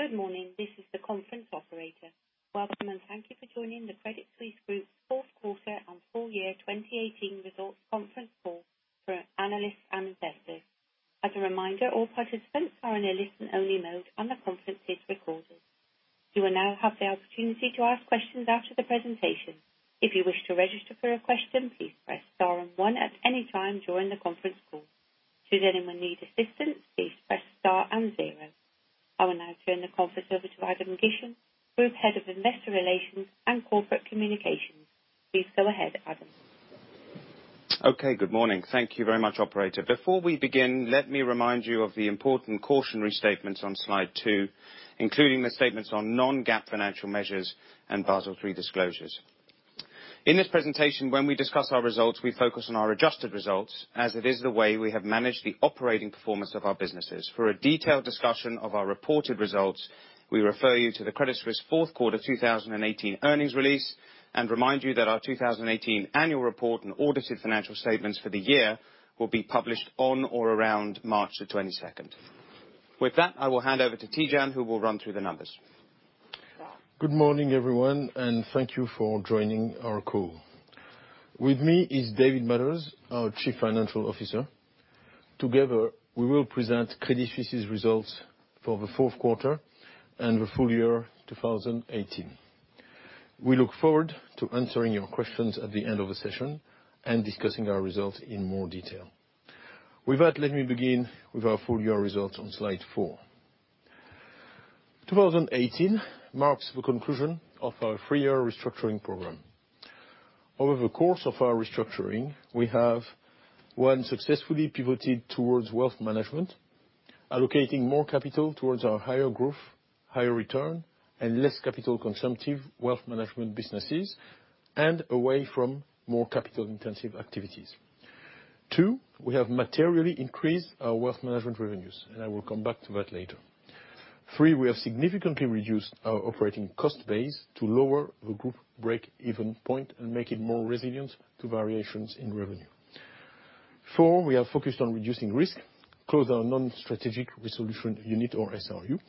Good morning. This is the conference operator. Welcome, and thank you for joining the Credit Suisse Group's fourth quarter and full year 2018 results conference call for analysts and investors. As a reminder, all participants are in a listen-only mode, and the conference is recorded. You will now have the opportunity to ask questions after the presentation. If you wish to register for a question, please press star and one at any time during the conference call. Should anyone need assistance, please press star and zero. I will now turn the conference over to Adam Gishen, Group Head of Investor Relations and Corporate Communications. Please go ahead, Adam. Okay. Good morning. Thank you very much, operator. Before we begin, let me remind you of the important cautionary statements on slide two, including the statements on Non-GAAP financial measures and Basel III disclosures. In this presentation, when we discuss our results, we focus on our adjusted results, as it is the way we have managed the operating performance of our businesses. For a detailed discussion of our reported results, we refer you to the Credit Suisse fourth quarter 2018 earnings release and remind you that our 2018 annual report and audited financial statements for the year will be published on or around March the 22nd. With that, I will hand over to Tidjane, who will run through the numbers. Good morning, everyone. Thank you for joining our call. With me is David Mathers, our Chief Financial Officer. Together, we will present Credit Suisse's results for the fourth quarter and the full year 2018. We look forward to answering your questions at the end of the session and discussing our results in more detail. With that, let me begin with our full-year results on slide four. 2018 marks the conclusion of our three-year restructuring program. Over the course of our restructuring, we have, one, successfully pivoted towards wealth management, allocating more capital towards our higher growth, higher return, and less capital-consumptive wealth management businesses, and away from more capital-intensive activities. Two, we have materially increased our wealth management revenues. I will come back to that later. Three, we have significantly reduced our operating cost base to lower the group breakeven point and make it more resilient to variations in revenue. Four, we are focused on reducing risk, close our non-strategic resolution unit or SRU.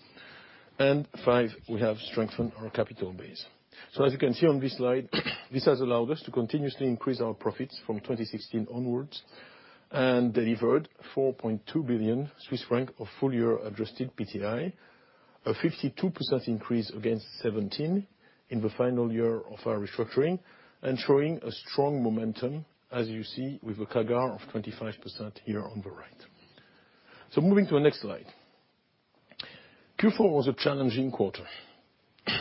Five, we have strengthened our capital base. As you can see on this slide, this has allowed us to continuously increase our profits from 2016 onwards and delivered 4.2 billion Swiss francs of full-year adjusted PTI, a 52% increase against 2017 in the final year of our restructuring and showing a strong momentum, as you see with the CAGR of 25% here on the right. Moving to the next slide. Q4 was a challenging quarter.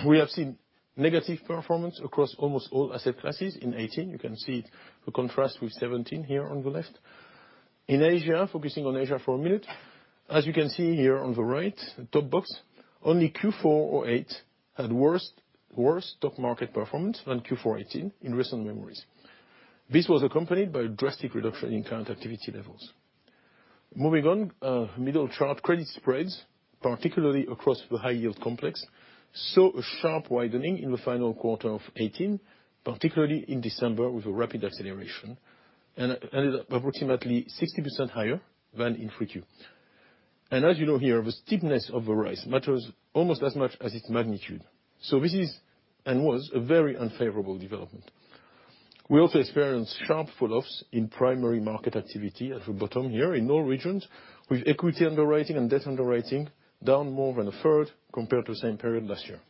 We have seen negative performance across almost all asset classes in 2018. You can see the contrast with 2017 here on the left. In Asia, focusing on Asia for a minute, as you can see here on the right, the top box, only Q4 2008 had worse top market performance than Q4 2018 in recent memories. This was accompanied by a drastic reduction in current activity levels. Moving on, middle chart, credit spreads, particularly across the high-yield complex, saw a sharp widening in the final quarter of 2018, particularly in December with a rapid acceleration and approximately 60% higher than in Q3. As you know here, the steepness of the rise matters almost as much as its magnitude. This is and was a very unfavorable development. We also experienced sharp falloffs in primary market activity at the bottom here in all regions, with equity underwriting and debt underwriting down more than a third compared to the same period last year.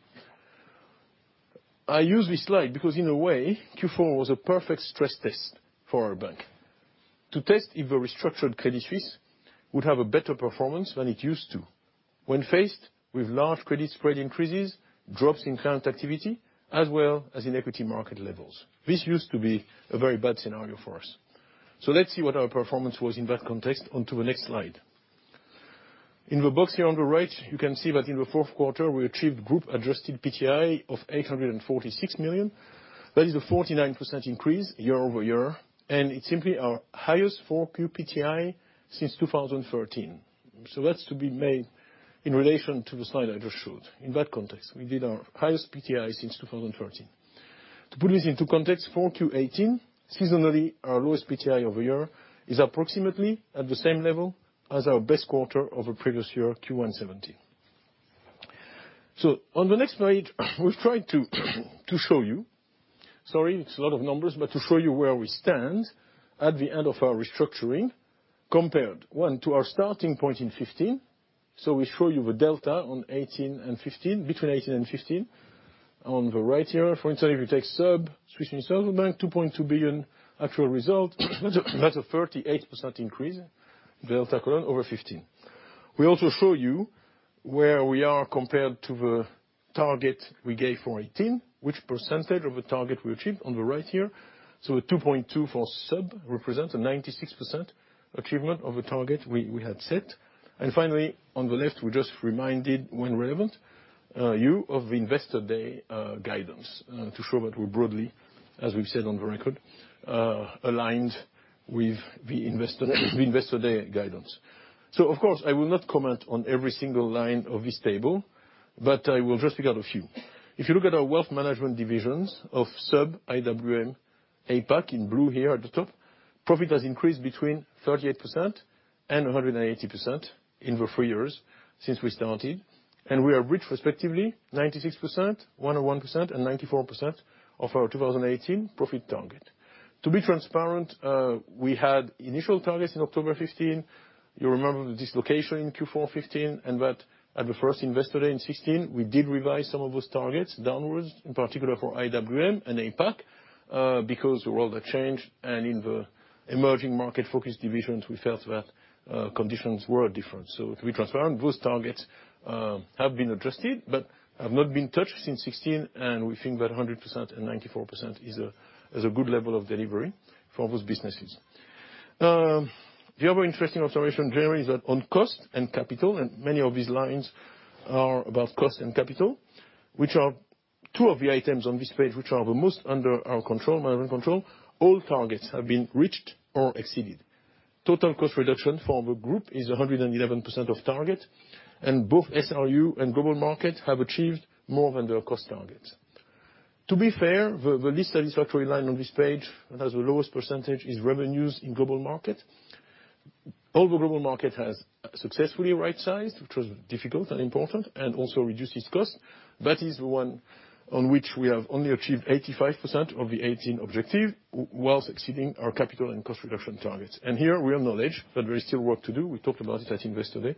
I use this slide because in a way, Q4 was a perfect stress test for our bank to test if a restructured Credit Suisse would have a better performance than it used to when faced with large credit spread increases, drops in client activity, as well as in equity market levels. This used to be a very bad scenario for us. Let's see what our performance was in that context. On to the next slide. In the box here on the right, you can see that in the fourth quarter, we achieved group-adjusted PTI of 846 million. That is a 49% increase year-over-year, and it's simply our highest 4Q PTI since 2013. That's to be made in relation to the slide I just showed. In that context, we did our highest PTI since 2013. To put this into context, 4Q 2018, seasonally our lowest PTI of the year, is approximately at the same level as our best quarter of the previous year, Q1 2017. On the next slide, we've tried to show you, sorry, it's a lot of numbers, but to show you where we stand at the end of our restructuring compared, one, to our starting point in 2015. We show you the delta between 2018 and 2015 on the right here. For instance, if you take SUB, Swiss Universal Bank, 2.2 billion actual result, that's a 38% increase delta column over 2015. We also show you where we are compared to the target we gave for 2018, which percentage of the target we achieved on the right here. The 2.2 for SUB represents a 96% achievement of the target we had set. Finally, on the left, we just reminded when relevant, you of Investor Day guidance to show that we're broadly, as we've said on the record, aligned with the Investor Day guidance. Of course, I will not comment on every single line of this table, but I will just pick out a few. If you look at our wealth management divisions of SUB, IWM APAC in blue here at the top, profit has increased between 38% and 180% in the three years since we started, and we have reached respectively 96%, 101% and 94% of our 2018 profit target. To be transparent, we had initial targets in October 2015. You remember the dislocation in Q4 2015. At the first Investor Day in 2016, we did revise some of those targets downwards, in particular for IWM and APAC, because the world had changed. In the emerging market-focused divisions, we felt that conditions were different. To be transparent, those targets have been adjusted, but have not been touched since 2016, and we think that 100% and 94% is a good level of delivery for those businesses. The other interesting observation, generally, is that on cost and capital, and many of these lines are about cost and capital, which are two of the items on this page which are the most under our control, management control, all targets have been reached or exceeded. Total cost reduction for the group is 111% of target. Both SRU and Global Markets have achieved more than their cost targets. To be fair, the least satisfactory line on this page, that has the lowest percentage, is revenues in Global Markets. Although Global Markets has successfully right-sized, which was difficult and important, and also reduced its cost, that is the one on which we have only achieved 85% of the 2018 objective, whilst exceeding our capital and cost reduction targets. Here we acknowledge that there is still work to do. We talked about it at Investor Day,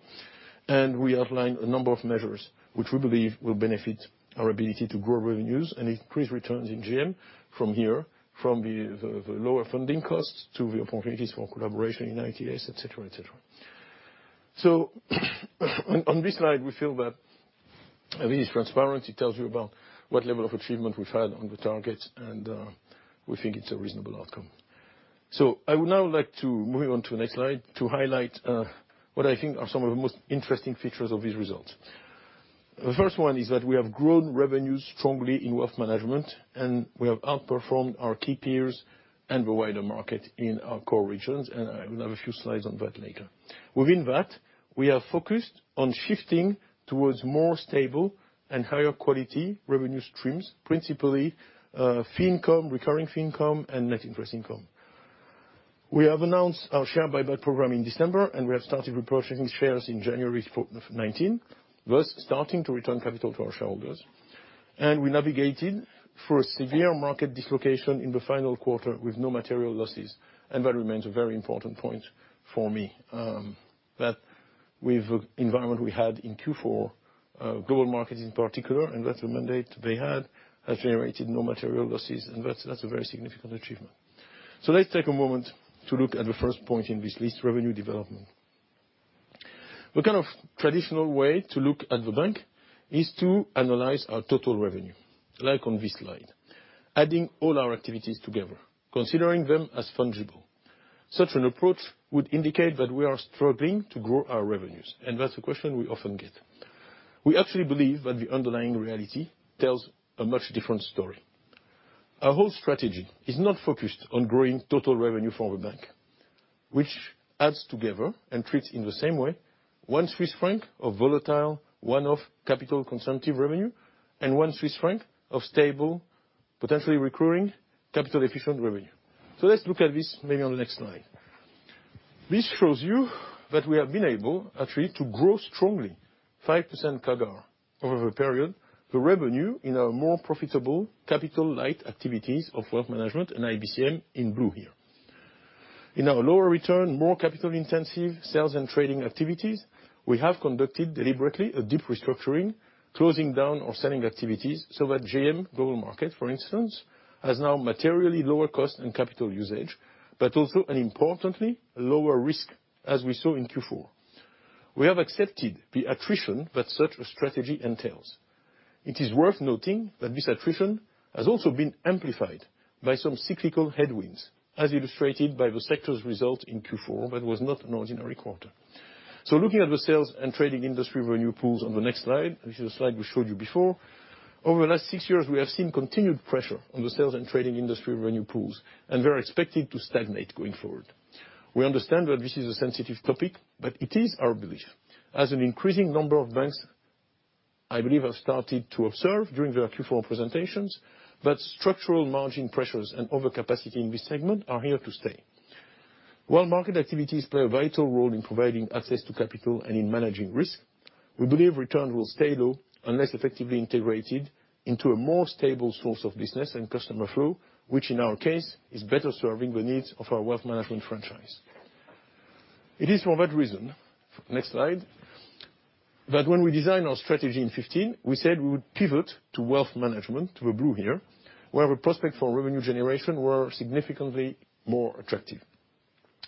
and we outlined a number of measures which we believe will benefit our ability to grow revenues and increase returns in GM from here, from the lower funding costs to the opportunities for collaboration in ITS, et cetera. On this slide, we feel that at least transparency tells you about what level of achievement we've had on the targets, and we think it's a reasonable outcome. I would now like to move on to the next slide to highlight what I think are some of the most interesting features of these results. The first one is that we have grown revenues strongly in wealth management. We have outperformed our key peers and the wider market in our core regions, and I will have a few slides on that later. Within that, we are focused on shifting towards more stable and higher quality revenue streams, principally fee income, recurring fee income, and net interest income. We have announced our share buyback program in December. We have started repurchasing shares in January 2019, thus starting to return capital to our shareholders. We navigated through a severe market dislocation in the final quarter with no material losses. That remains a very important point for me, that with the environment we had in Q4, Global Markets in particular, and that mandate they had, has generated no material losses. That's a very significant achievement. Let's take a moment to look at the first point in this list, revenue development. The kind of traditional way to look at the bank is to analyze our total revenue, like on this slide, adding all our activities together, considering them as fungible. Such an approach would indicate that we are struggling to grow our revenues. That's the question we often get. We actually believe that the underlying reality tells a much different story. Our whole strategy is not focused on growing total revenue for the bank, which adds together and treats in the same way CHF one of volatile, one-off capital consumptive revenue, and CHF one of stable, potentially recurring, capital-efficient revenue. Let's look at this maybe on the next slide. This shows you that we have been able, actually, to grow strongly 5% CAGR over the period, the revenue in our more profitable, capital-light activities of wealth management and IBCM in blue here. In our lower return, more capital-intensive sales and trading activities, we have conducted deliberately a deep restructuring, closing down or selling activities so that GM, Global Markets, for instance, has now materially lower cost and capital usage, but also and importantly, lower risk, as we saw in Q4. We have accepted the attrition that such a strategy entails. It is worth noting that this attrition has also been amplified by some cyclical headwinds, as illustrated by the sector's result in Q4. That was not an ordinary quarter. Looking at the sales and trading industry revenue pools on the next slide, which is a slide we showed you before, over the last six years, we have seen continued pressure on the sales and trading industry revenue pools, and they're expected to stagnate going forward. We understand that this is a sensitive topic, but it is our belief, as an increasing number of banks, I believe, have started to observe during their Q4 presentations, that structural margin pressures and overcapacity in this segment are here to stay. While market activities play a vital role in providing access to capital and in managing risk, we believe returns will stay low unless effectively integrated into a more stable source of business and customer flow, which in our case is better serving the needs of our wealth management franchise. It is for that reason, next slide, that when we designed our strategy in 2015, we said we would pivot to wealth management, to the blue here, where our prospects for revenue generation were significantly more attractive.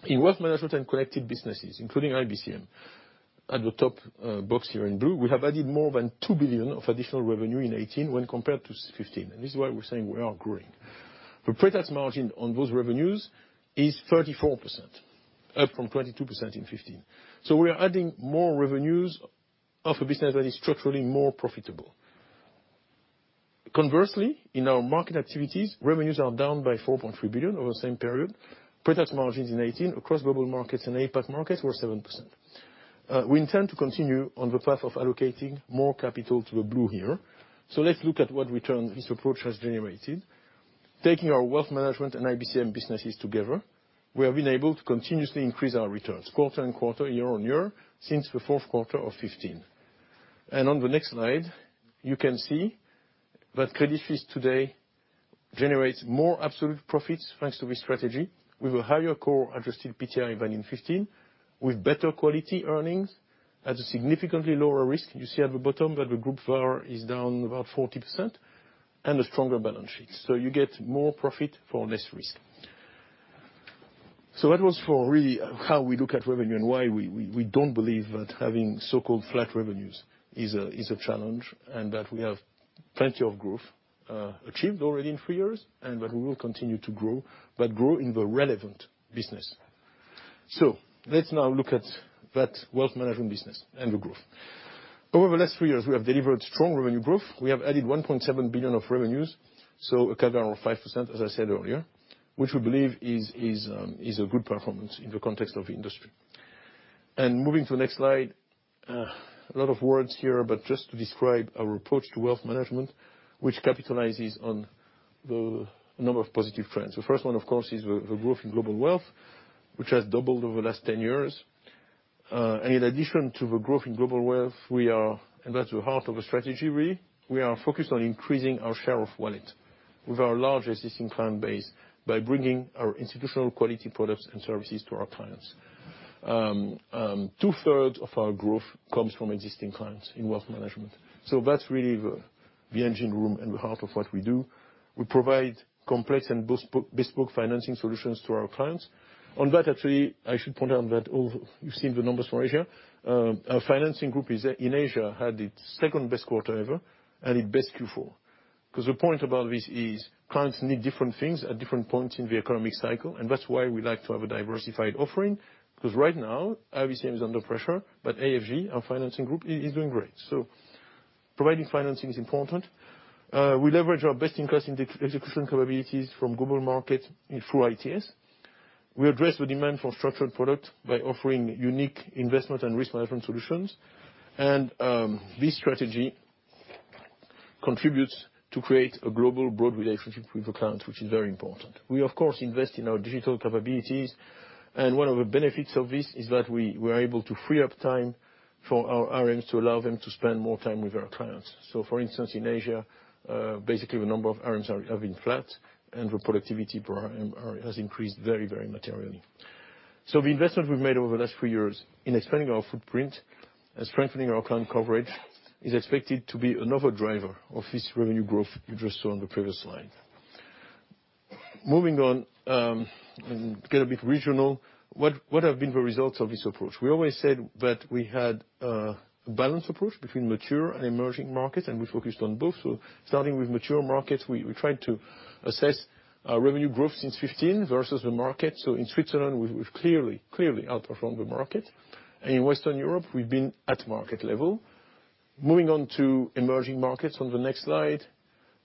In wealth management and connected businesses, including IBCM, at the top box here in blue, we have added more than 2 billion of additional revenue in 2018 when compared to 2015, and this is why we're saying we are growing. The pre-tax margin on those revenues is 34%, up from 22% in 2015. We are adding more revenues of a business that is structurally more profitable. Conversely, in our market activities, revenues are down by 4.3 billion over the same period. Pre-tax margins in 2018 across Global Markets and APAC Markets were 7%. We intend to continue on the path of allocating more capital to the blue here. Let's look at what return this approach has generated. Taking our wealth management and IBCM businesses together, we have been able to continuously increase our returns quarter-on-quarter, year-on-year since the fourth quarter of 2015. On the next slide, you can see that Credit Suisse today generates more absolute profits thanks to this strategy, with a higher core adjusted PTI than in 2015, with better quality earnings at a significantly lower risk. You see at the bottom that the group VAR is down about 40%, and a stronger balance sheet. You get more profit for less risk. That was for really how we look at revenue and why we don't believe that having so-called flat revenues is a challenge, and that we have plenty of growth achieved already in three years, and that we will continue to grow, but grow in the relevant business. Let's now look at that wealth management business and the growth. Over the last three years, we have delivered strong revenue growth. We have added 1.7 billion of revenues, so a CAGR of 5%, as I said earlier, which we believe is a good performance in the context of the industry. Moving to the next slide, a lot of words here, but just to describe our approach to wealth management, which capitalizes on the number of positive trends. The first one, of course, is the growth in global wealth, which has doubled over the last 10 years. In addition to the growth in global wealth, and that's the heart of the strategy really, we are focused on increasing our share of wallet with our large existing client base by bringing our institutional quality products and services to our clients. Two-thirds of our growth comes from existing clients in wealth management. That's really the engine room and the heart of what we do. We provide complex and bespoke financing solutions to our clients. On that, actually, I should point out that, you've seen the numbers for Asia, our financing group in Asia had its second-best quarter ever and its best Q4. The point about this is, clients need different things at different points of the economic cycle, and that's why we like to have a diversified offering, because right now, IBCM is under pressure, but AFG, our financing group, is doing great. Providing financing is important. We leverage our best-in-class execution capabilities from Global Markets through ITS. We address the demand for structured product by offering unique investment and risk management solutions. This strategy contributes to create a global, broad relationship with the client, which is very important. We, of course, invest in our digital capabilities, and one of the benefits of this is that we are able to free up time for our RMs to allow them to spend more time with our clients. For instance, in Asia, basically the number of RMs have been flat and the productivity per RM has increased very materially. The investment we've made over the last few years in expanding our footprint and strengthening our client coverage is expected to be another driver of this revenue growth you just saw on the previous slide. Moving on, get a bit regional, what have been the results of this approach? We always said that we had a balanced approach between mature and emerging markets, and we focused on both. Starting with mature markets, we tried to assess our revenue growth since 2015 versus the market. In Switzerland, we've clearly outperformed the market. In Western Europe, we've been at market level. Moving on to emerging markets, on the next slide,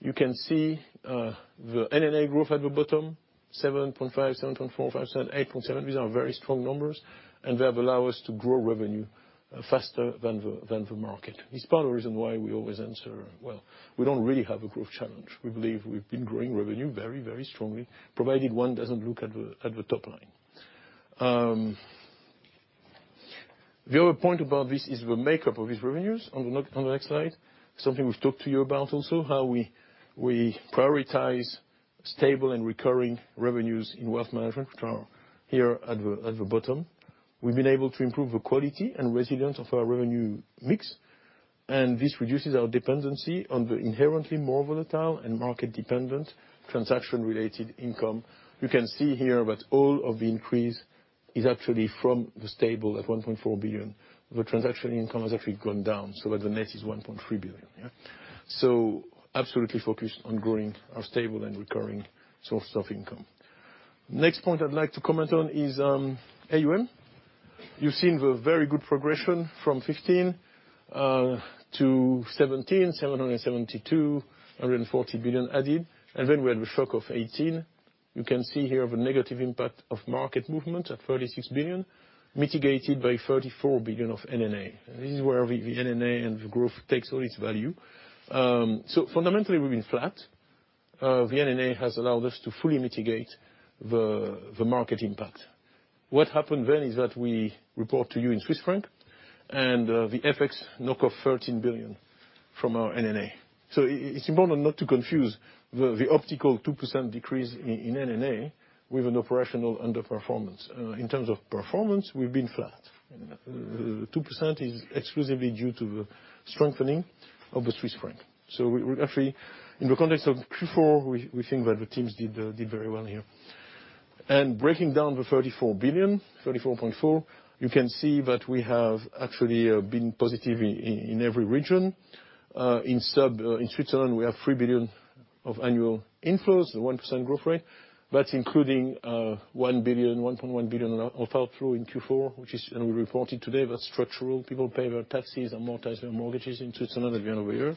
you can see the NNA growth at the bottom, 7.5%, 7.4%, 5.7%, 8.7%. These are very strong numbers, and they have allowed us to grow revenue faster than the market. It is part of the reason why we always answer, well, we do not really have a growth challenge. We believe we have been growing revenue very strongly, provided one does not look at the top line. The other point about this is the makeup of these revenues, on the next slide. Something we have talked to you about also, how we prioritize stable and recurring revenues in wealth management, which are here at the bottom. We have been able to improve the quality and resilience of our revenue mix, and this reduces our dependency on the inherently more volatile and market-dependent transaction-related income. You can see here that all of the increase is actually from the stable at 1.4 billion. The transaction income has actually gone down so that the net is 1.3 billion. Absolutely focused on growing our stable and recurring sources of income. Next point I would like to comment on is AUM. You have seen the very good progression from 2015-2017, 772 billion-140 billion added, and then we had the shock of 2018. You can see here the negative impact of market movement at 36 billion, mitigated by 34 billion of NNA. This is where the NNA and the growth takes all its value. Fundamentally, we have been flat. The NNA has allowed us to fully mitigate the market impact. What happened then is that we report to you in Swiss franc, and the FX knock of 13 billion from our NNA. It is important not to confuse the optical 2% decrease in NNA with an operational underperformance. In terms of performance, we have been flat. 2% is exclusively due to the strengthening of the Swiss franc. Actually, in the context of Q4, we think that the teams did very well here. Breaking down the 34 billion, 34.4 billion, you can see that we have actually been positive in every region. In Switzerland, we have 3 billion of annual inflows, the 1% growth rate. That is including 1.1 billion of outflow in Q4, and we reported today that is structural. People pay their taxes and amortize their mortgages in Switzerland at the end of the year.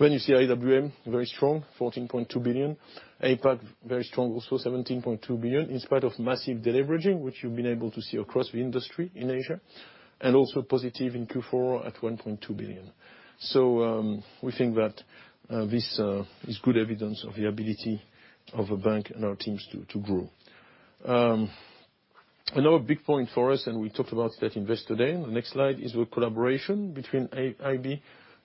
When you see IWM very strong, 14.2 billion. APAC very strong also, 17.2 billion, in spite of massive de-leveraging, which you have been able to see across the industry in Asia, and also positive in Q4 at 1.2 billion. We think that this is good evidence of the ability of a bank and our teams to grow. Another big point for us, and we talked about at Investor Day, the next slide, is the collaboration between IB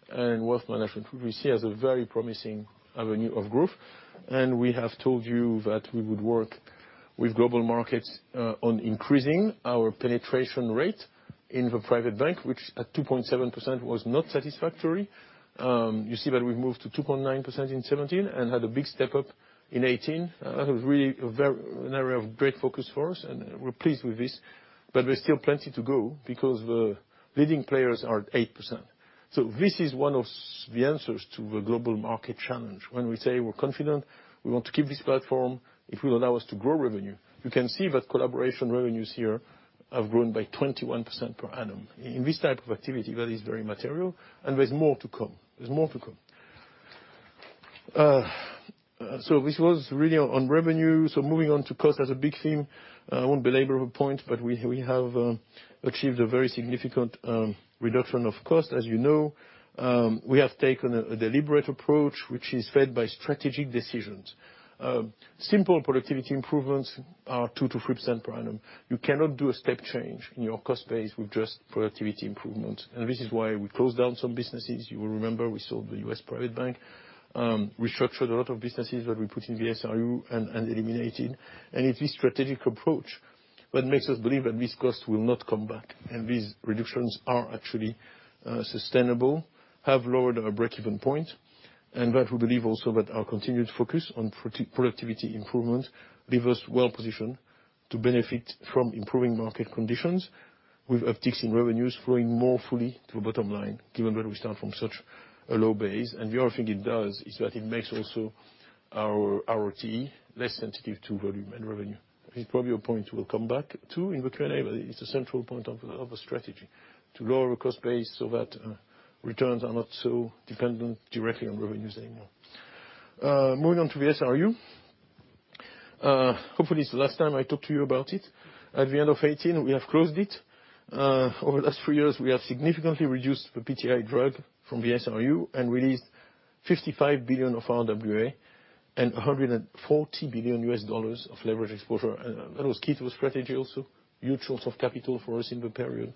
and wealth management, which we see as a very promising avenue of growth. We have told you that we would work with Global Markets on increasing our penetration rate in the private bank, which at 2.7% was not satisfactory. You see that we have moved to 2.9% in 2017, and had a big step-up in 2018. That was really an area of great focus for us, and we are pleased with this, but there is still plenty to go, because the leading players are at 8%. This is one of the answers to the Global Markets challenge. When we say we are confident, we want to keep this platform, it will allow us to grow revenue. You can see that collaboration revenues here have grown by 21% per annum. In this type of activity, that is very material, and there's more to come. There's more to come. This was really on revenue. Moving on to cost as a big theme. I won't belabor a point, but we have achieved a very significant reduction of cost. As you know, we have taken a deliberate approach, which is fed by strategic decisions. Simple productivity improvements are 2%-3% per annum. You cannot do a step change in your cost base with just productivity improvements, and this is why we closed down some businesses. You will remember we sold the U.S. private bank, restructured a lot of businesses that we put in the SRU, and eliminated. It's this strategic approach that makes us believe that these costs will not come back, and these reductions are actually sustainable, have lowered our breakeven point, and that we believe also that our continued focus on productivity improvement leave us well positioned to benefit from improving market conditions with upticks in revenues flowing more fully to the bottom line, given that we start from such a low base. The other thing it does, is that it makes also our ROT less sensitive to volume and revenue. It's probably a point we'll come back to in the Q&A, but it's a central point of a strategy to lower our cost base so that returns are not so dependent directly on revenues anymore. Moving on to the SRU. Hopefully it's the last time I talk to you about it. At the end of 2018, we have closed it. Over the last three years, we have significantly reduced the PTI drag from the SRU and released 55 billion of RWA and $140 billion of U.S. leverage exposure. That was key to the strategy, also. Huge source of capital for us in the period.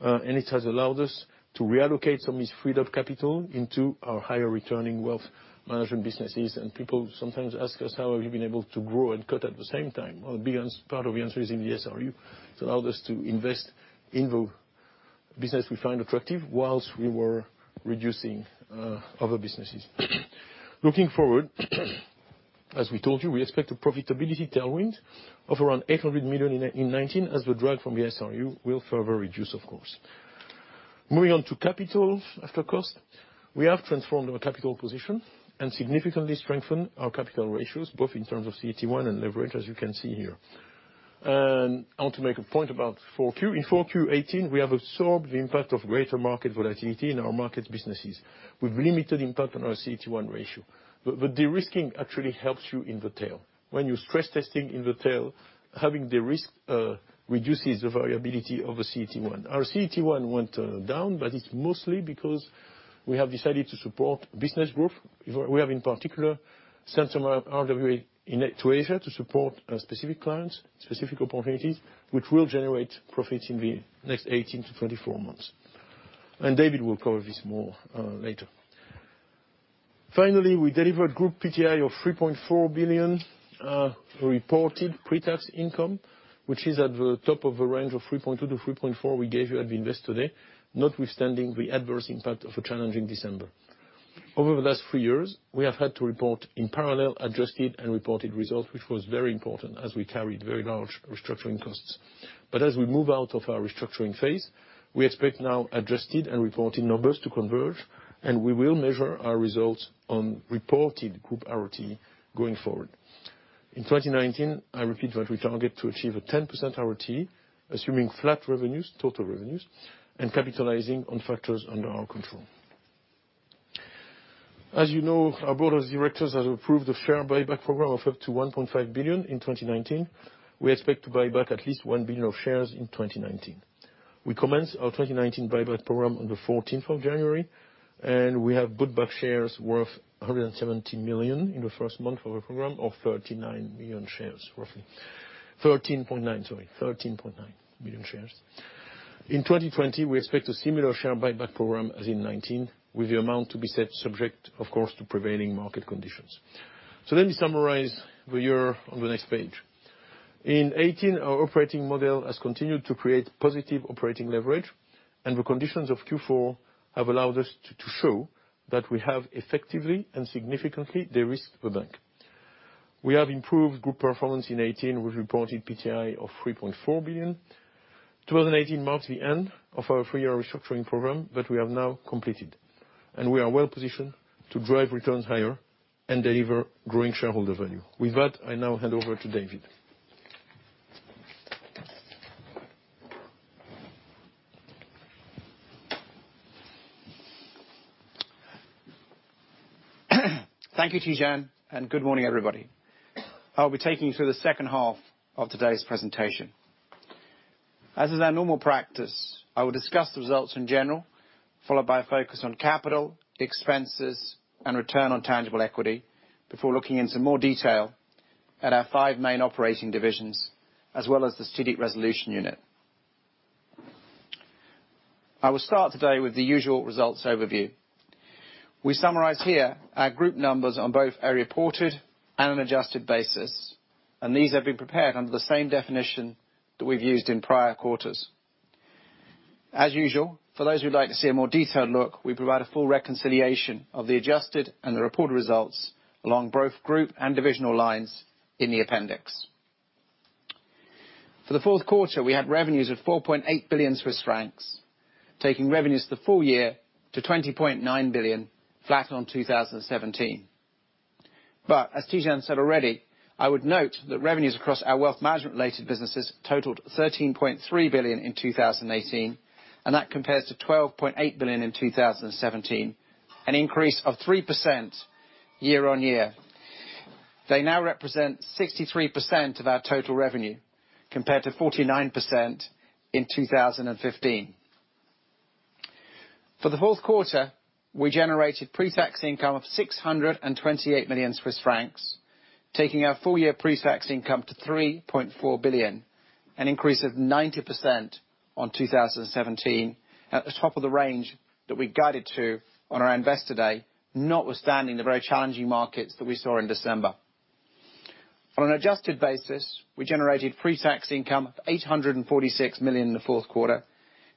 It has allowed us to reallocate some of this freed-up capital into our higher returning wealth management businesses. People sometimes ask us how have we been able to grow and cut at the same time? Well, a big part of the answer is in the SRU. It's allowed us to invest in the business we find attractive whilst we were reducing other businesses. Looking forward, as we told you, we expect a profitability tailwind of around 800 million in 2019, as the drag from the SRU will further reduce, of course. Moving on to capital, after cost. We have transformed our capital position and significantly strengthened our capital ratios, both in terms of CET1 and leverage, as you can see here. I want to make a point about 4Q. In 4Q 2018, we have absorbed the impact of greater market volatility in our markets businesses, with limited impact on our CET1 ratio. De-risking actually helps you in the tail. When you're stress testing in the tail, having the risk reduces the variability of a CET1. Our CET1 went down, but it's mostly because we have decided to support business growth. We have, in particular, sent some RWA to Asia to support specific clients, specific opportunities, which will generate profits in the next 18 months-24 months. David will cover this more later. We delivered group PTI of 3.4 billion, reported pretax income, which is at the top of the range of 3.2-3.4 we gave you at the Investor Day, notwithstanding the adverse impact of a challenging December. Over the last three years, we have had to report in parallel, adjusted, and reported results, which was very important, as we carried very large restructuring costs. As we move out of our restructuring phase, we expect now adjusted and reported numbers to converge, and we will measure our results on reported group ROT going forward. In 2019, I repeat that we target to achieve a 10% ROT, assuming flat revenues, total revenues, and capitalizing on factors under our control. As you know, our board of directors has approved a share buyback program of up to 1.5 billion in 2019. We expect to buy back at least 1 billion of shares in 2019. We commenced our 2019 buyback program on the 14th of January, we have bought back shares worth 170 million in the first month of the program, or 39 million shares, roughly. 13.9, sorry. 13.9 million shares. In 2020, we expect a similar share buyback program as in 2019, with the amount to be set subject, of course, to prevailing market conditions. Let me summarize the year on the next page. In 2018, our operating model has continued to create positive operating leverage, and the conditions of Q4 have allowed us to show that we have effectively and significantly de-risked the bank. We have improved group performance in 2018, with reported PTI of 3.4 billion. 2018 marked the end of our three-year restructuring program that we have now completed, we are well-positioned to drive returns higher and deliver growing shareholder value. With that, I now hand over to David. Thank you, Tidjane, good morning, everybody. I'll be taking you through the second half of today's presentation. As is our normal practice, I will discuss the results in general, followed by a focus on capital, expenses, and return on tangible equity, before looking into more detail at our five main operating divisions, as well as the Strategic Resolution Unit. I will start today with the usual results overview. We summarize here our group numbers on both a reported and an adjusted basis, these have been prepared under the same definition that we've used in prior quarters. As usual, for those who'd like to see a more detailed look, we provide a full reconciliation of the adjusted and the reported results along both group and divisional lines in the appendix. For the fourth quarter, we had revenues of 4.8 billion Swiss francs, taking revenues for the full year to 20.9 billion, flat on 2017. As Tidjane said already, I would note that revenues across our wealth management-related businesses totaled 13.3 billion in 2018, and that compares to 12.8 billion in 2017, an increase of 3% year-on-year. They now represent 63% of our total revenue, compared to 49% in 2015. For the fourth quarter, we generated pre-tax income of 628 million Swiss francs, taking our full year pre-tax income to 3.4 billion, an increase of 90% on 2017, at the top of the range that we guided to on our Investor Day, notwithstanding the very challenging markets that we saw in December. On an adjusted basis, we generated pre-tax income of 846 million in the fourth quarter,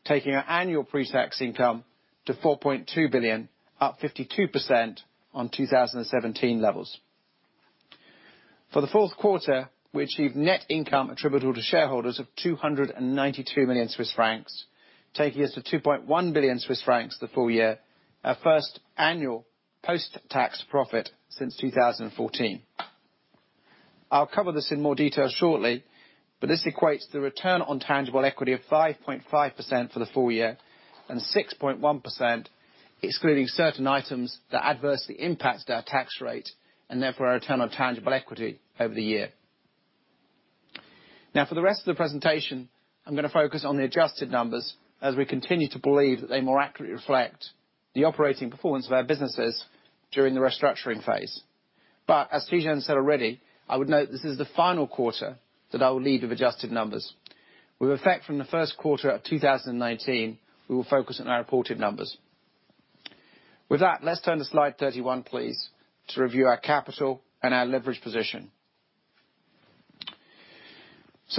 taking our annual pre-tax income to 4.2 billion, up 52% on 2017 levels. For the fourth quarter, we achieved net income attributable to shareholders of 292 million Swiss francs, taking us to 2.1 billion Swiss francs the full year, our first annual post-tax profit since 2014. I'll cover this in more detail shortly, but this equates to a Return on Tangible Equity of 5.5% for the full year and 6.1%, excluding certain items that adversely impacted our tax rate, and therefore our Return on Tangible Equity over the year. For the rest of the presentation, I'm going to focus on the adjusted numbers as we continue to believe that they more accurately reflect the operating performance of our businesses during the restructuring phase. As Tidjane said already, I would note this is the final quarter that I will lead with adjusted numbers. With effect from the first quarter of 2019, we will focus on our reported numbers. With that, let's turn to slide 31, please, to review our capital and our leverage position.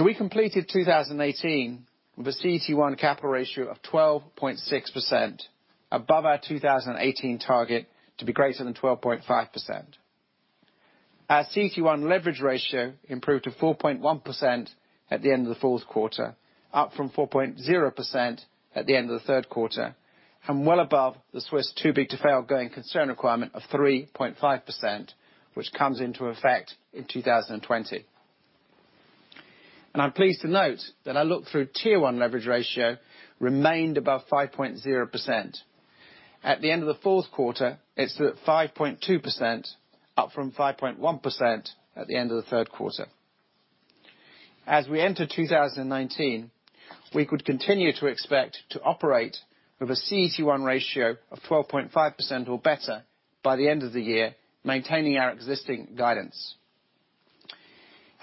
We completed 2018 with a CET1 capital ratio of 12.6%, above our 2018 target to be greater than 12.5%. Our CET1 leverage ratio improved to 4.1% at the end of the fourth quarter, up from 4.0% at the end of the third quarter, and well above the Swiss too-big-to-fail going concern requirement of 3.5%, which comes into effect in 2020. I'm pleased to note that our look-through Tier 1 leverage ratio remained above 5.0%. At the end of the fourth quarter, it's at 5.2%, up from 5.1% at the end of the third quarter. As we enter 2019, we could continue to expect to operate with a CET1 ratio of 12.5% or better by the end of the year, maintaining our existing guidance.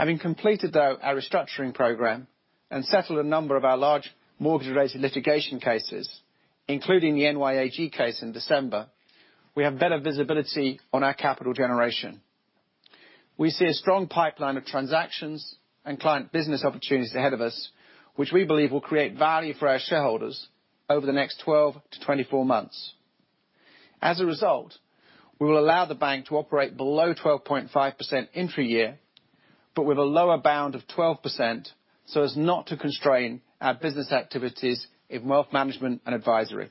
Having completed our restructuring program and settled a number of our large mortgage-related litigation cases, including the NYAG case in December, we have better visibility on our capital generation. We see a strong pipeline of transactions and client business opportunities ahead of us, which we believe will create value for our shareholders over the next 12-24 months. As a result, we will allow the bank to operate below 12.5% intra year, but with a lower bound of 12%, so as not to constrain our business activities in wealth management and advisory.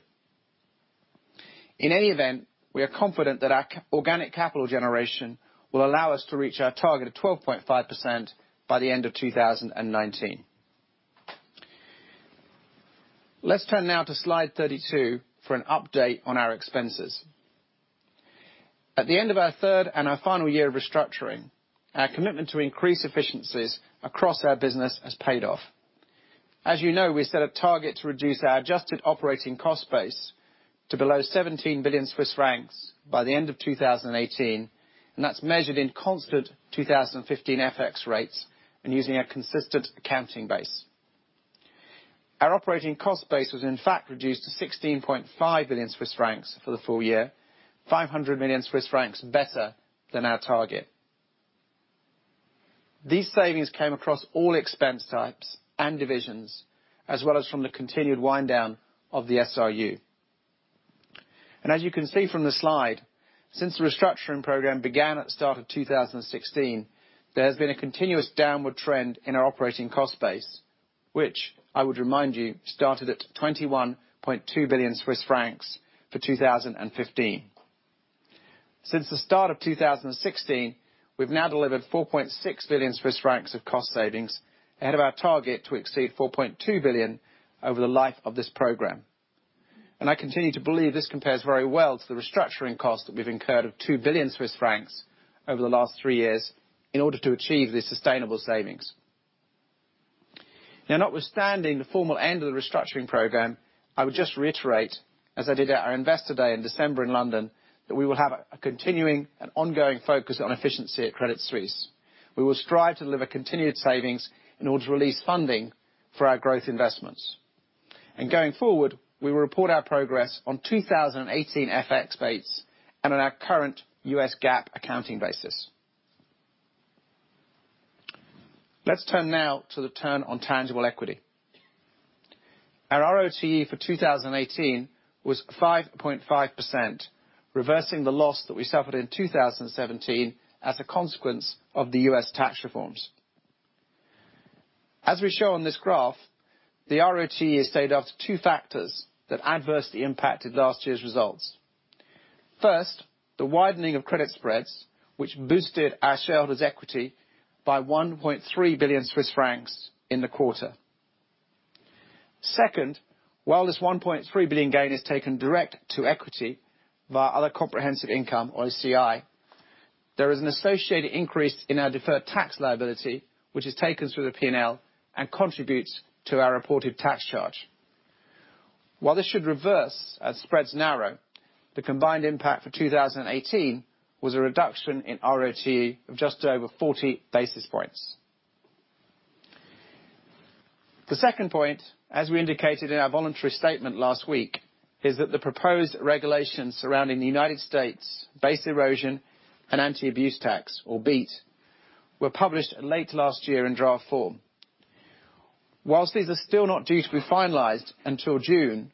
In any event, we are confident that our organic capital generation will allow us to reach our target of 12.5% by the end of 2019. Let's turn now to slide 32 for an update on our expenses. At the end of our third and our final year of restructuring, our commitment to increase efficiencies across our business has paid off. As you know, we set a target to reduce our adjusted operating cost base to below 17 billion Swiss francs by the end of 2018, and that's measured in constant 2015 FX rates and using a consistent accounting base. Our operating cost base was in fact reduced to 16.5 billion Swiss francs for the full year, 500 million Swiss francs better than our target. These savings came across all expense types and divisions, as well as from the continued wind down of the SRU. As you can see from the slide, since the restructuring program began at the start of 2016, there has been a continuous downward trend in our operating cost base, which I would remind you started at 21.2 billion Swiss francs for 2015. Since the start of 2016, we've now delivered 4.6 billion Swiss francs of cost savings ahead of our target to exceed 4.2 billion over the life of this program. I continue to believe this compares very well to the restructuring cost that we've incurred of 2 billion Swiss francs over the last three years in order to achieve these sustainable savings. Now, notwithstanding the formal end of the restructuring program, I would just reiterate, as I did at our Investor Day in December in London, that we will have a continuing and ongoing focus on efficiency at Credit Suisse. We will strive to deliver continued savings in order to release funding for our growth investments. Going forward, we will report our progress on 2018 FX base and on our current U.S. GAAP accounting basis. Let's turn now to the return on tangible equity. Our RoTE for 2018 was 5.5%, reversing the loss that we suffered in 2017 as a consequence of the U.S. tax reforms. As we show on this graph, the RoTE is made up of two factors that adversely impacted last year's results. First, the widening of credit spreads, which boosted our shareholders' equity by 1.3 billion Swiss francs in the quarter. Second, while this 1.3 billion gain is taken direct to equity via Other Comprehensive Income or OCI, there is an associated increase in our deferred tax liability, which is taken through the P&L and contributes to our reported tax charge. While this should reverse as spreads narrow, the combined impact for 2018 was a reduction in RoTE of just over 40 basis points. The second point, as we indicated in our voluntary statement last week, is that the proposed regulations surrounding the United States Base Erosion and Anti-Abuse Tax, or BEAT, were published late last year in draft form. Whilst these are still not due to be finalized until June,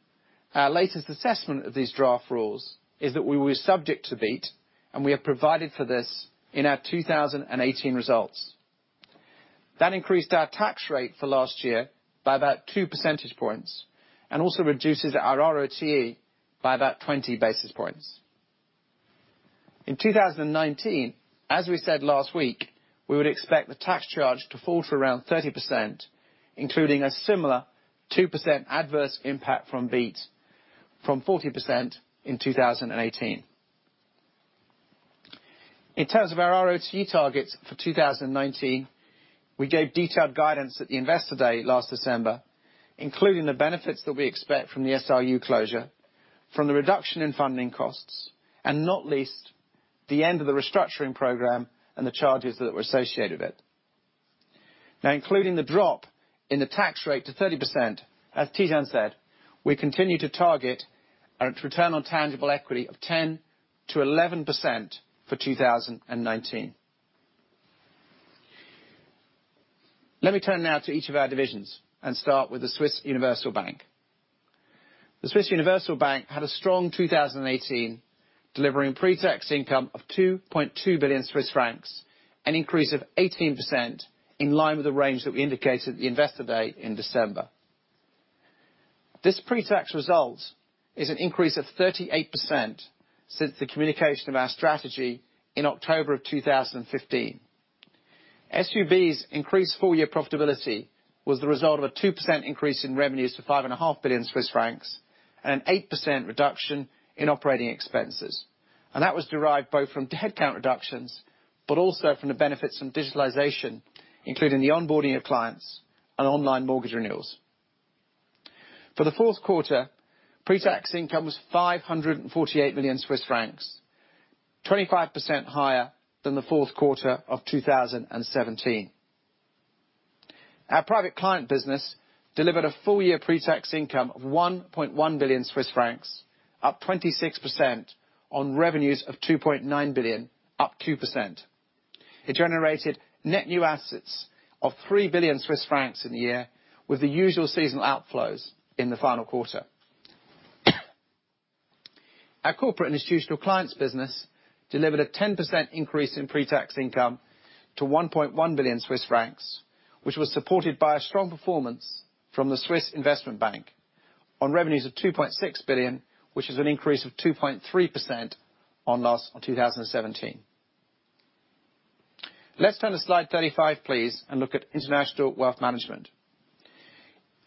our latest assessment of these draft rules is that we were subject to BEAT, and we have provided for this in our 2018 results. That increased our tax rate for last year by about two percentage points, and also reduces our RoTE by about 20 basis points. In 2019, as we said last week, we would expect the tax charge to fall to around 30%, including a similar 2% adverse impact from BEAT from 40% in 2018. In terms of our RoTE targets for 2019, we gave detailed guidance at the Investor Day last December, including the benefits that we expect from the SRU closure, from the reduction in funding costs, and not least, the end of the restructuring program and the charges that were associated with it. Including the drop in the tax rate to 30%, as Tidjane said, we continue to target a return on tangible equity of 10%-11% for 2019. Let me turn now to each of our divisions and start with the Swiss Universal Bank. The Swiss Universal Bank had a strong 2018, delivering pre-tax income of 2.2 billion Swiss francs, an increase of 18% in line with the range that we indicated at the Investor Day in December. This pre-tax result is an increase of 38% since the communication of our strategy in October 2015. SUB's increased full-year profitability was the result of a 2% increase in revenues to 5.5 billion Swiss francs and an 8% reduction in operating expenses. That was derived both from headcount reductions, but also from the benefits from digitalization, including the onboarding of clients and online mortgage renewals. For the fourth quarter, pre-tax income was 548 million Swiss francs, 25% higher than the fourth quarter of 2017. Our private client business delivered a full-year pre-tax income of 1.1 billion Swiss francs, up 26% on revenues of 2.9 billion, up 2%. It generated net new assets of 3 billion Swiss francs in the year, with the usual seasonal outflows in the final quarter. Our corporate institutional clients business delivered a 10% increase in pre-tax income to 1.1 billion Swiss francs, which was supported by a strong performance from the Swiss Investment Bank on revenues of 2.6 billion, which is an increase of 2.3% on 2017. Let's turn to slide 35, please, and look at International Wealth Management.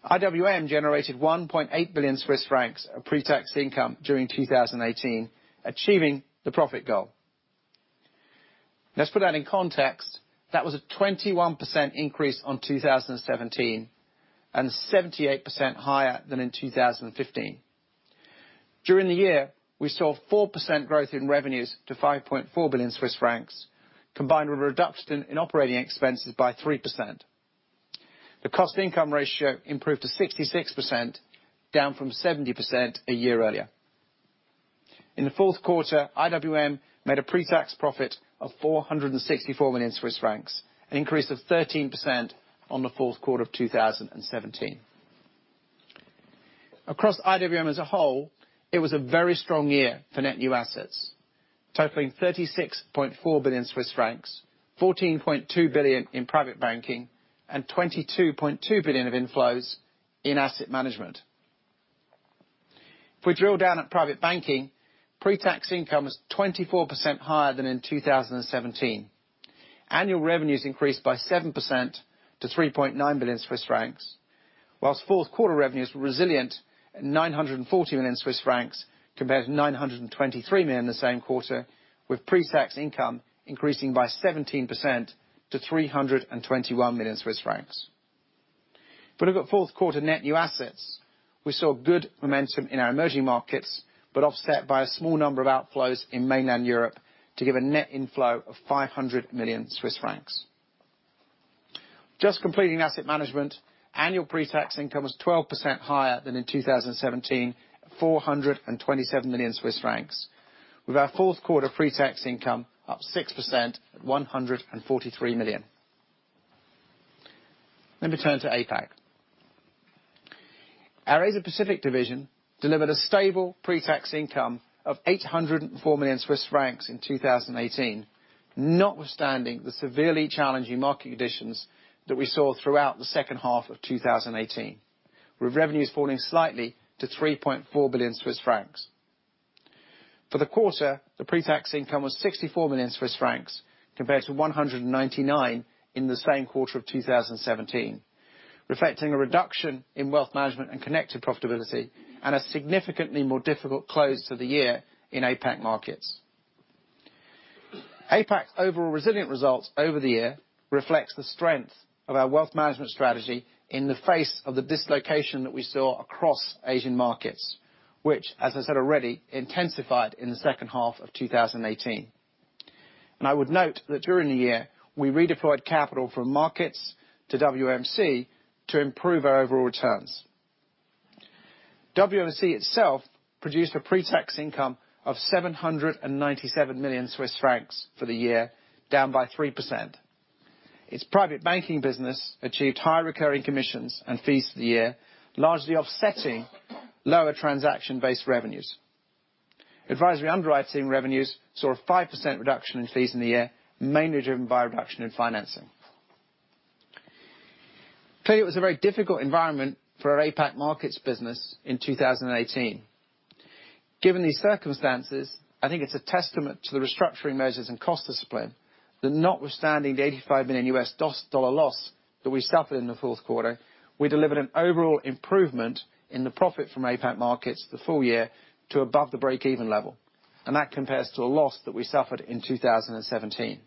IWM generated 1.8 billion Swiss francs of pre-tax income during 2018, achieving the profit goal. Let's put that in context. That was a 21% increase on 2017 and 78% higher than in 2015. During the year, we saw 4% growth in revenues to 5.4 billion Swiss francs, combined with a reduction in operating expenses by 3%. The cost-income ratio improved to 66%, down from 70% a year earlier. In the fourth quarter, IWM made a pre-tax profit of 464 million Swiss francs, an increase of 13% on the fourth quarter of 2017. Across IWM as a whole, it was a very strong year for net new assets, totaling 36.4 billion Swiss francs, 14.2 billion in private banking, and 22.2 billion of inflows in asset management. If we drill down at private banking, pre-tax income was 24% higher than in 2017. Annual revenues increased by 7% to 3.9 billion Swiss francs. Whilst fourth quarter revenues were resilient at 940 million Swiss francs compared to 923 million in the same quarter, with pre-tax income increasing by 17% to 321 million Swiss francs. If we look at fourth quarter net new assets, we saw good momentum in our emerging markets, but offset by a small number of outflows in mainland Europe to give a net inflow of 500 million Swiss francs. Just completing asset management, annual pre-tax income was 12% higher than in 2017, at 427 million Swiss francs, with our fourth quarter pre-tax income up 6% at 143 million. Let me turn to APAC. Our Asia Pacific division delivered a stable pre-tax income of 804 million Swiss francs in 2018, notwithstanding the severely challenging market conditions that we saw throughout the second half of 2018. With revenues falling slightly to 3.4 billion Swiss francs. For the quarter, the pre-tax income was 64 million Swiss francs compared to 199 million in the same quarter of 2017, reflecting a reduction in wealth management and connected profitability, and a significantly more difficult close to the year in APAC markets. APAC's overall resilient results over the year reflects the strength of our wealth management strategy in the face of the dislocation that we saw across Asian markets, which, as I said already, intensified in the second half of 2018. I would note that during the year, we redeployed capital from markets to WMC to improve our overall returns. WMC itself produced a pre-tax income of 797 million Swiss francs for the year, down by 3%. Its private banking business achieved high recurring commissions and fees for the year, largely offsetting lower transaction-based revenues. Advisory underwriting revenues saw a 5% reduction in fees in the year, mainly driven by a reduction in financing. Clearly it was a very difficult environment for our APAC markets business in 2018. Given these circumstances, I think it's a testament to the restructuring measures and cost discipline that notwithstanding the $85 million U.S. dollar loss that we suffered in the fourth quarter, we delivered an overall improvement in the profit from APAC markets the full year to above the break-even level, and that compares to a loss that we suffered in 2017.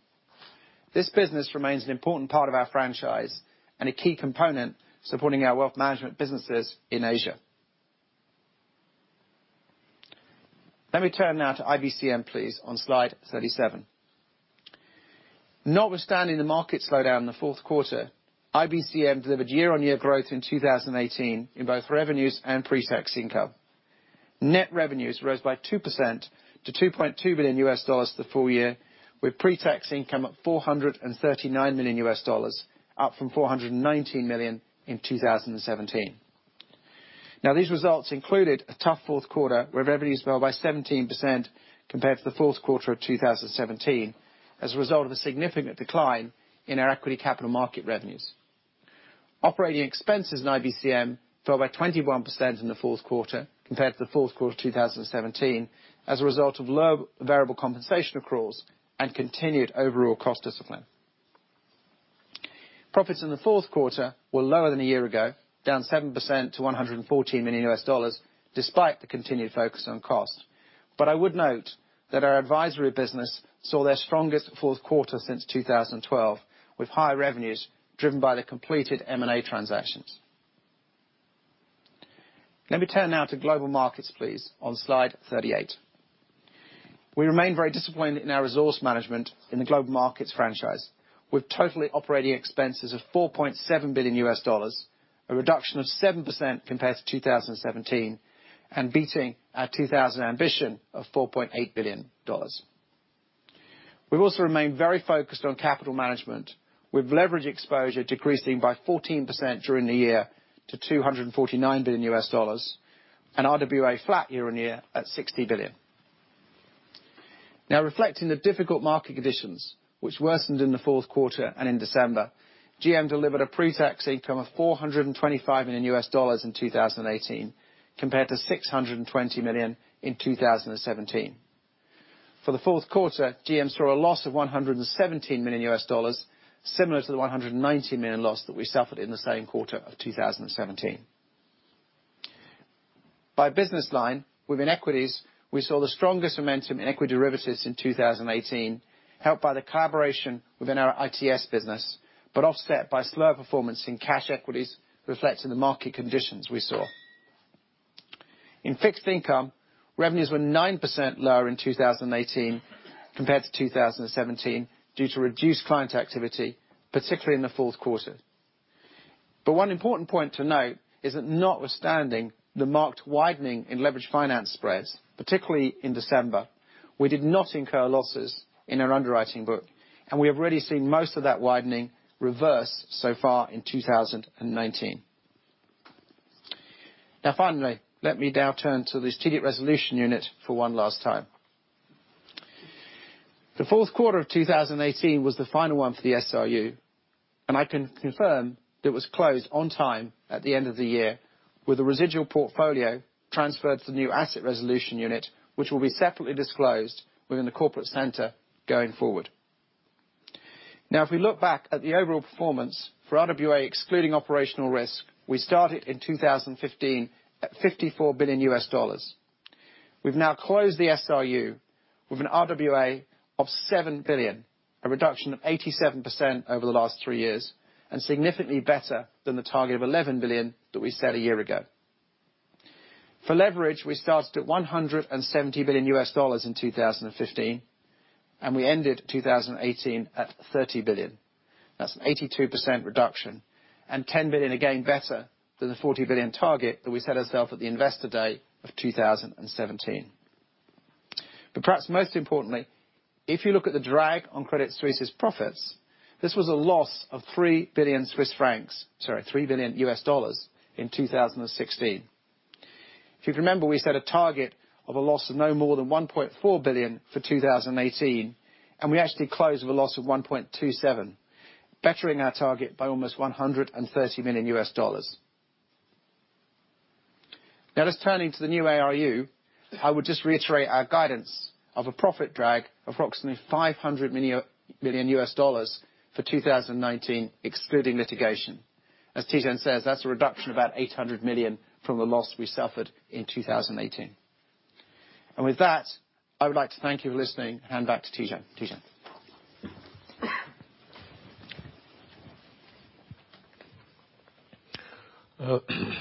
This business remains an important part of our franchise and a key component supporting our wealth management businesses in Asia. Let me turn now to IBCM please on Slide 37. Notwithstanding the market slowdown in the fourth quarter, IBCM delivered year-on-year growth in 2018 in both revenues and pre-tax income. Net revenues rose by 2% to $2.2 billion U.S. dollars the full year, with pre-tax income up $439 million U.S. dollars, up from $419 million in 2017. These results included a tough fourth quarter, where revenues fell by 17% compared to the fourth quarter of 2017 as a result of a significant decline in our equity capital market revenues. Operating expenses in IBCM fell by 21% in the fourth quarter compared to the fourth quarter of 2017, as a result of low variable compensation accruals and continued overall cost discipline. Profits in the fourth quarter were lower than a year ago, down 7% to $114 million U.S. dollars despite the continued focus on cost. I would note that our advisory business saw their strongest fourth quarter since 2012, with higher revenues driven by the completed M&A transactions. Let me turn now to Global Markets please on Slide 38. We remain very disciplined in our resource management in the Global Markets franchise, with total operating expenses of $4.7 billion, a reduction of 7% compared to 2017, beating our 2000 ambition of $4.8 billion. We've also remained very focused on capital management with leverage exposure decreasing by 14% during the year to $249 billion and RWA flat year-on-year at $60 billion. Reflecting the difficult market conditions which worsened in the fourth quarter and in December, GM delivered a pre-tax income of $425 million in 2018 compared to $620 million in 2017. For the fourth quarter, GM saw a loss of $117 million, similar to the $190 million loss that we suffered in the same quarter of 2017. By business line, within equities, we saw the strongest momentum in equity derivatives in 2018, helped by the collaboration within our ITS business, offset by slower performance in cash equities reflecting the market conditions we saw. In fixed income, revenues were 9% lower in 2018 compared to 2017 due to reduced client activity, particularly in the fourth quarter. One important point to note is that notwithstanding the marked widening in leveraged finance spreads, particularly in December, we did not incur losses in our underwriting book. We have already seen most of that widening reverse so far in 2019. Finally, let me now turn to the strategic resolution unit for one last time. The fourth quarter of 2018 was the final one for the SRU, and I can confirm it was closed on time at the end of the year with a residual portfolio transferred to the new asset resolution unit, which will be separately disclosed within the corporate center going forward. If we look back at the overall performance for RWA, excluding operational risk, we started in 2015 at $54 billion. We've now closed the SRU with an RWA of $7 billion, a reduction of 87% over the last three years, significantly better than the target of $11 billion that we set a year ago. For leverage, we started at $170 billion in 2015. We ended 2018 at $30 billion. That's an 82% reduction, $10 billion again better than the $40 billion target that we set ourself at the Investor Day of 2017. Perhaps most importantly, if you look at the drag on Credit Suisse's profits, this was a loss of 3 billion Swiss francs. Sorry, $3 billion in 2016. If you remember, we set a target of a loss of no more than $1.4 billion for 2018. We actually closed with a loss of $1.27 billion, bettering our target by almost $130 million. Let's turn into the new ARU. I would just reiterate our guidance of a profit drag approximately $500 million for 2019, excluding litigation. As Tidjane says, that's a reduction of about $800 million from the loss we suffered in 2018. With that, I would like to thank you for listening. Hand back to Tidjane. Tidjane?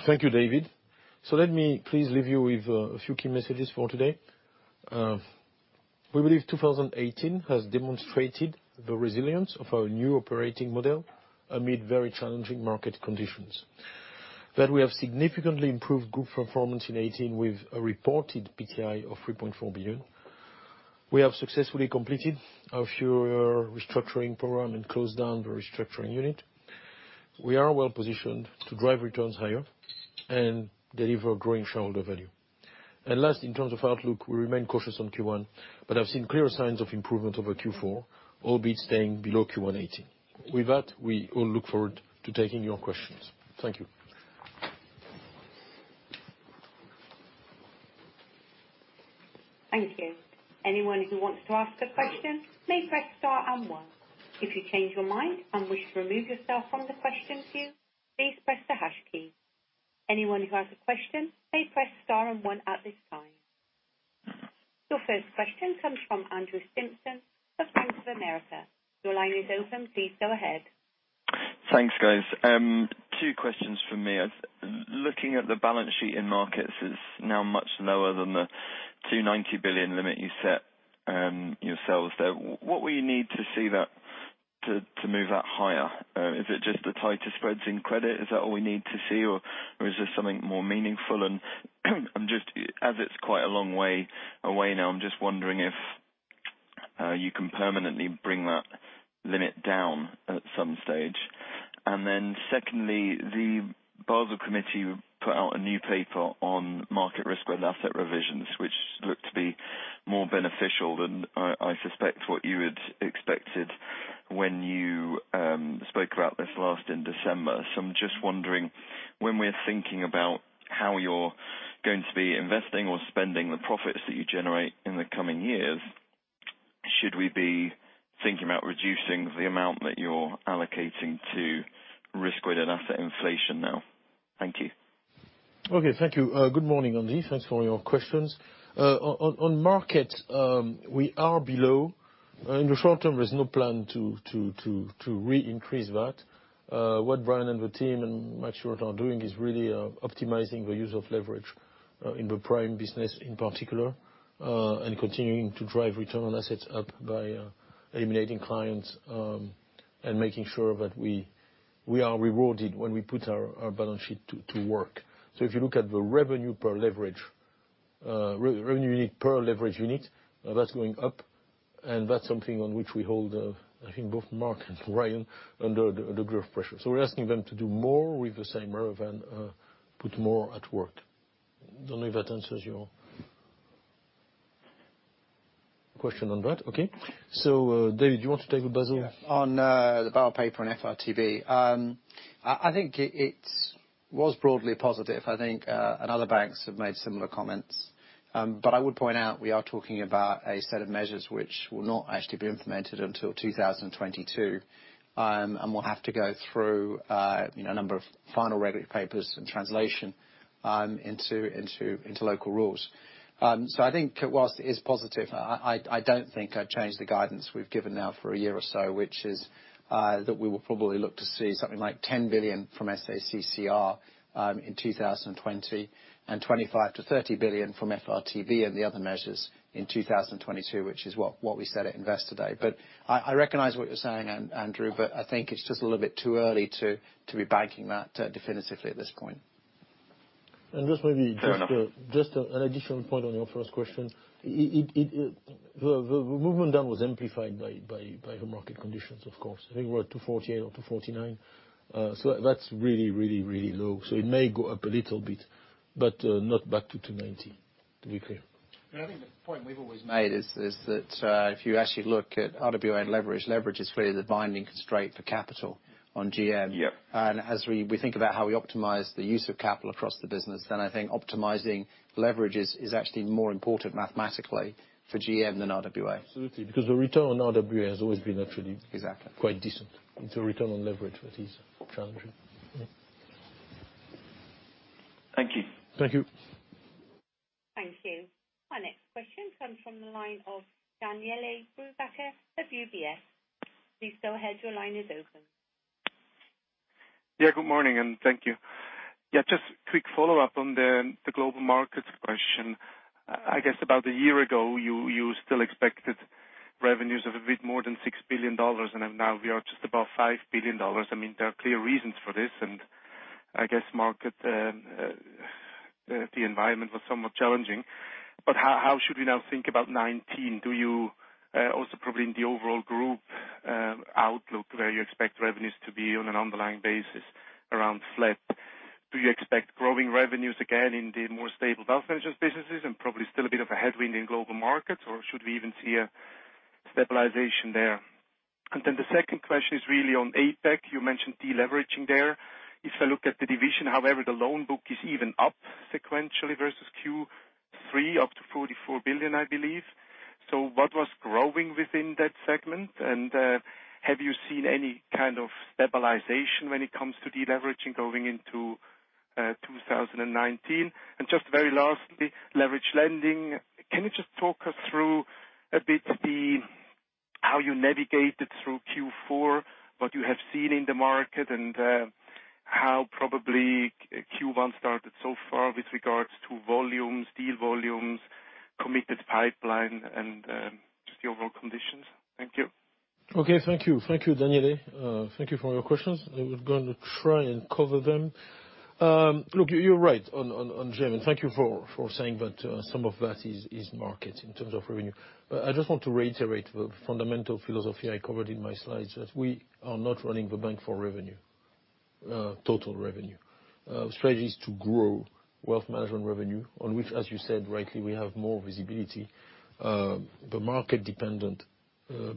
Thank you, David. Let me please leave you with a few key messages for today. We believe 2018 has demonstrated the resilience of our new operating model amid very challenging market conditions. That we have significantly improved group performance in 2018 with a reported PTI of 3.4 billion. We have successfully completed our fewer restructuring program and closed down the restructuring unit. We are well-positioned to drive returns higher and deliver growing shareholder value. Last, in terms of outlook, we remain cautious on Q1, but have seen clear signs of improvement over Q4, albeit staying below Q1 2018. With that, we all look forward to taking your questions. Thank you. Thank you. Anyone who wants to ask a question may press star and one. If you change your mind and wish to remove yourself from the question queue, please press the hash key. Anyone who has a question may press star and one at this time. Your first question comes from Andrew Stimpson of Bank of America. Your line is open. Please go ahead. Thanks, guys. 2 questions from me. Looking at the balance sheet in markets is now much lower than the 290 billion limit you set yourselves there. What will you need to see to move that higher? Is it just the tighter spreads in credit? Is that all we need to see, or is this something more meaningful? As it's quite a long way away now, I'm just wondering if you can permanently bring that limit down at some stage. Secondly, the Basel Committee put out a new paper on market risk and asset revisions, which look to be more beneficial than, I suspect, what you had expected when you spoke about this last in December. I'm just wondering, when we're thinking about how you're going to be investing or spending the profits that you generate in the coming years, should we be thinking about reducing the amount that you're allocating to risk-weighted asset inflation now? Thank you. Okay, thank you. Good morning, Andrew. Thanks for your questions. On market, we are below. In the short term, there's no plan to re-increase that. What Brian and the team and Matt Short are doing is really optimizing the use of leverage, in the Prime business in particular, and continuing to drive return on assets up by eliminating clients and making sure that we are rewarded when we put our balance sheet to work. If you look at the revenue per leverage unit, that's going up, and that's something on which we hold, I think, both Mark and Ryan under a degree of pressure. We're asking them to do more with the same revenue and put more at work. Don't know if that answers your question on that. Okay. David, do you want to take a Basel? Yes. On the Basel paper and FRTB, I think it was broadly positive. I think other banks have made similar comments. I would point out we are talking about a set of measures which will not actually be implemented until 2022, and will have to go through a number of final regulatory papers and translation into local rules. I think whilst it is positive, I don't think I'd change the guidance we've given now for a year or so, which is that we will probably look to see something like 10 billion from SA-CCR, in 2020, and 25 billion to 30 billion from FRTB and the other measures in 2022, which is what we said at Investor Day. I recognize what you're saying, Andrew, but I think it's just a little bit too early to be banking that definitively at this point. Just maybe just an additional point on your first questions. The movement down was amplified by the market conditions, of course. I think we're at 248 or 249. That's really low. It may go up a little bit, but not back to 290. The nuclear. I think the point we've always made is that, if you actually look at RWA and leverage is really the binding constraint for capital on GM. Yep. As we think about how we optimize the use of capital across the business, I think optimizing leverage is actually more important mathematically for GM than RWA. Absolutely. The return on RWA has always been actually. Exactly. Quite decent. It's the return on leverage that is challenging. Thank you. Thank you. Thank you. Our next question comes from the line of Daniele Brupbacher of UBS. Please go ahead. Your line is open. Good morning, and thank you. Just a quick follow-up on the Global Markets question. I guess about a year ago, you still expected revenues of a bit more than CHF 6 billion, and now we are just above CHF 5 billion. There are clear reasons for this, and I guess market, the environment was somewhat challenging. How should we now think about 2019? Do you, also probably in the overall Group outlook, where you expect revenues to be on an underlying basis around flat. Do you expect growing revenues again in the more stable wealth management businesses and probably still a bit of a headwind in Global Markets, or should we even see a stabilization there? The second question is really on APAC. You mentioned deleveraging there. If I look at the division, however, the loan book is even up sequentially versus Q3 up to 44 billion, I believe. What was growing within that segment? Have you seen any kind of stabilization when it comes to deleveraging going into 2019? Just very lastly, leveraged lending. Can you just talk us through a bit how you navigated through Q4, what you have seen in the market, and how probably Q1 started so far with regards to volumes, deal volumes, committed pipeline and just the overall conditions? Thank you. Okay. Thank you, Daniele. Thank you for your questions. I was going to try and cover them. Look, you're right on GM, and thank you for saying that some of that is market in terms of revenue. I just want to reiterate the fundamental philosophy I covered in my slides, that we are not running the bank for revenue, total revenue. Our strategy is to grow wealth management revenue, on which, as you said, rightly, we have more visibility. The market-dependent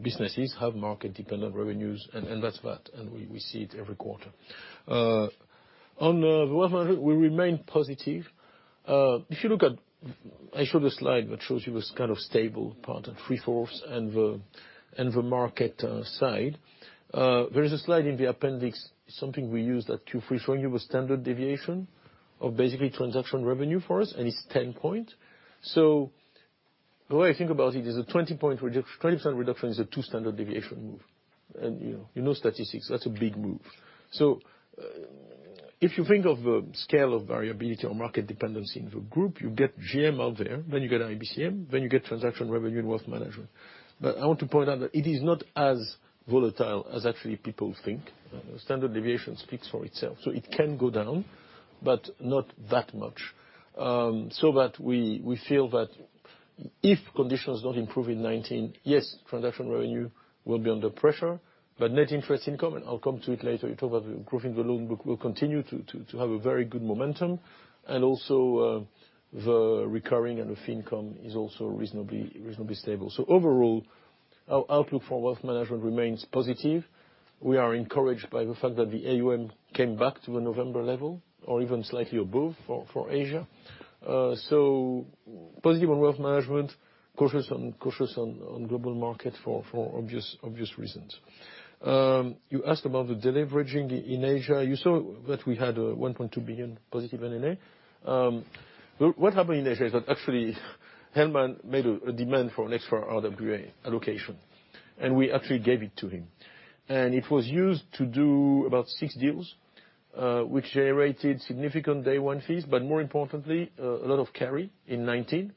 businesses have market-dependent revenues, and that's that, and we see it every quarter. On the wealth management, we remain positive. I showed a slide that shows you a stable part and Freeforce and the market side. There is a slide in the appendix, something we use at Q3, showing you the standard deviation of basically transaction revenue for us, and it's 10 point. The way I think about it is a 20% reduction is a 2-standard deviation move. You know statistics, that's a big move. If you think of the scale of variability or market dependency in the group, you get GM out there, then you get IBCM, then you get transaction revenue and wealth management. I want to point out that it is not as volatile as actually people think. Standard deviation speaks for itself. It can go down, but not that much. That we feel that if conditions don't improve in 2019, yes, transaction revenue will be under pressure, but net interest income, and I'll come to it later, in terms of improving the loan book, will continue to have a very good momentum. Also, the recurring and the fee income is also reasonably stable. Overall, our outlook for wealth management remains positive. We are encouraged by the fact that the AUM came back to the November level or even slightly above for Asia. Positive on wealth management, cautious on Global Markets for obvious reasons. You asked about the deleveraging in Asia. You saw that we had a 1.2 billion positive NNA. What happened in Asia is that actually Helman made a demand for an extra RWA allocation, and we actually gave it to him. It was used to do about 6 deals, which generated significant day one fees, but more importantly, a lot of carry in 2019.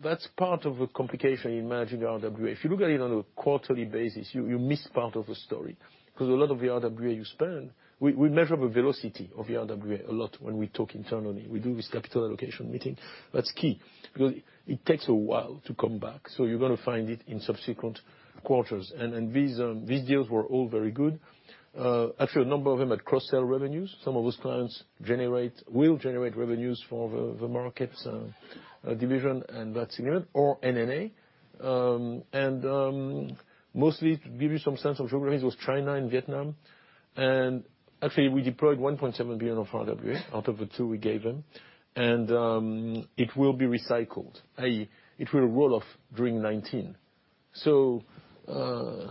That's part of the complication in managing RWA. If you look at it on a quarterly basis, you miss part of the story, because a lot of the RWA you spend, we measure the velocity of the RWA a lot when we talk internally. We do this capital allocation meeting. That's key, because it takes a while to come back, you're going to find it in subsequent quarters. These deals were all very good. Actually, a number of them had cross-sell revenues. Some of those clients will generate revenues for the markets division and that's significant, or NNA. Mostly, to give you some sense of geographies, was China and Vietnam. Actually, we deployed 1.7 billion of RWA out of the 2 we gave them, and it will be recycled, i.e., it will roll off during 2019.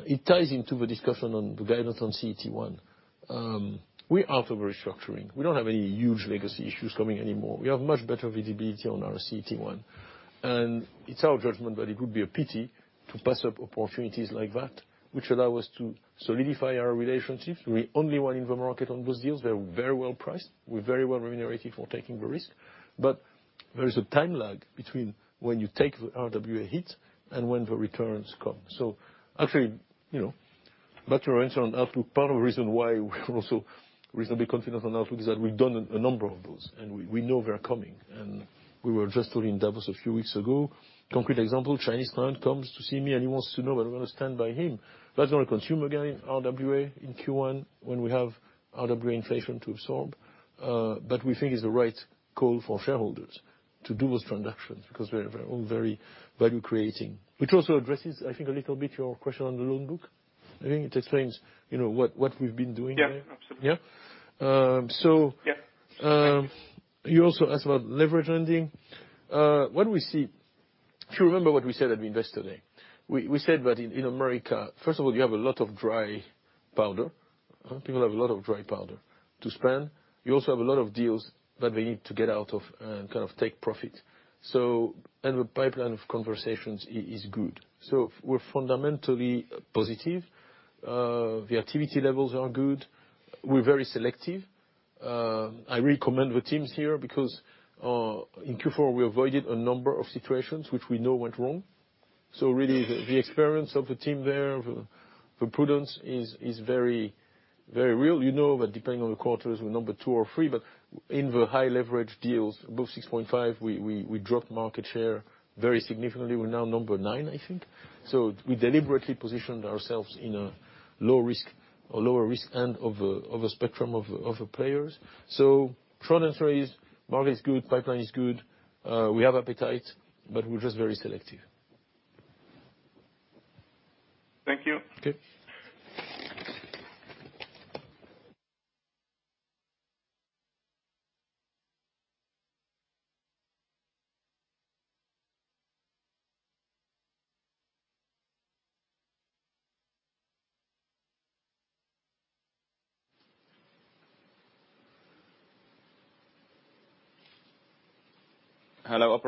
It ties into the discussion on the guidance on CET1. We're out of restructuring. We don't have any huge legacy issues coming anymore. We have much better visibility on our CET1. It's our judgment that it would be a pity to pass up opportunities like that, which allow us to solidify our relationships. We're only one in the market on those deals. They're very well priced. We're very well remunerated for taking the risk. There is a time lag between when you take the RWA hit and when the returns come. Actually, back to your answer on output, part of the reason why we're also reasonably confident on output is that we've done a number of those, and we know they're coming. We were just talking in Davos a few weeks ago. Concrete example, Chinese client comes to see me, and he wants to know that we're going to stand by him. That's going to consume again, RWA in Q1, when we have RWA inflation to absorb. We think it's the right call for shareholders to do those transactions because they're all very value-creating. Which also addresses, I think, a little bit your question on the loan book. I think it explains what we've been doing there. Yeah, absolutely. Yeah. Yeah. Thank you. You also asked about leverage lending. If you remember what we said at Investor Day, we said that in America, first of all, you have a lot of dry powder. People have a lot of dry powder to spend. You also have a lot of deals that they need to get out of and take profit. The pipeline of conversations is good. We're fundamentally positive. The activity levels are good. We're very selective. I really commend the teams here because, in Q4, we avoided a number of situations which we know went wrong. Really, the experience of the team there, the prudence is very real. You know that depending on the quarters, we're number two or three, but in the high leverage deals above 6.5, we dropped market share very significantly. We're now number nine, I think. We deliberately positioned ourselves in a lower risk end of a spectrum of the players. Short answer is market is good, pipeline is good. We have appetite, but we're just very selective. Thank you.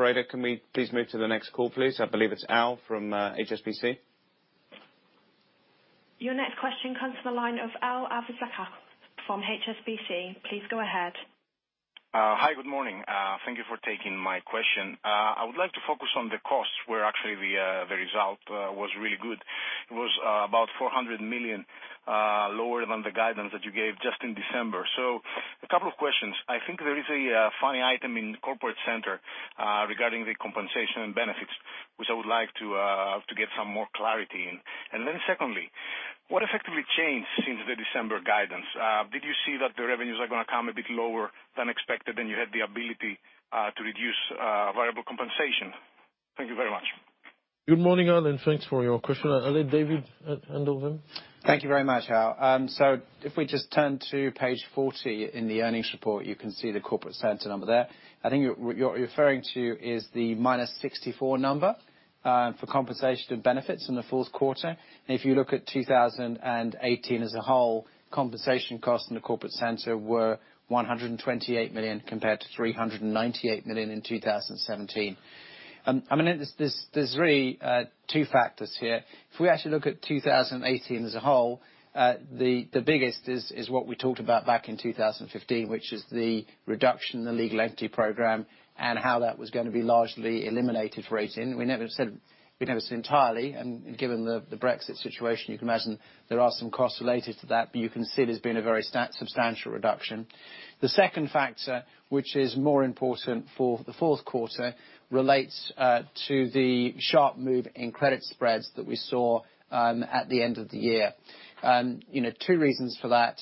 Okay. Hello, operator. Can we please move to the next call, please? I believe it's Al from HSBC. Your next question comes from the line of Alevizos Alevizakos from HSBC. Please go ahead. Hi. Good morning. Thank you for taking my question. I would like to focus on the costs, where actually the result was really good. It was about 400 million lower than the guidance that you gave just in December. A couple of questions. I think there is a funny item in the corporate center regarding the compensation and benefits, which I would like to get some more clarity in. Secondly, what effectively changed since the December guidance? Did you see that the revenues are going to come a bit lower than expected, and you had the ability to reduce variable compensation? Thank you very much. Good morning, Al. Thanks for your question. Are they David at end of them? Thank you very much, Al. If we just turn to page 40 in the earnings report, you can see the corporate center number there. I think what you're referring to is the minus 64 number for compensation and benefits in the fourth quarter. If you look at 2018 as a whole, compensation costs in the corporate center were 128 million compared to 398 million in 2017. There's really two factors here. If we actually look at 2018 as a whole, the biggest is what we talked about back in 2015, which is the reduction in the legal entity program and how that was going to be largely eliminated for 2018. We never said entirely, and given the Brexit situation, you can imagine there are some costs related to that, but you can see it as being a very substantial reduction. The second factor, which is more important for the fourth quarter, relates to the sharp move in credit spreads that we saw at the end of the year. Two reasons for that.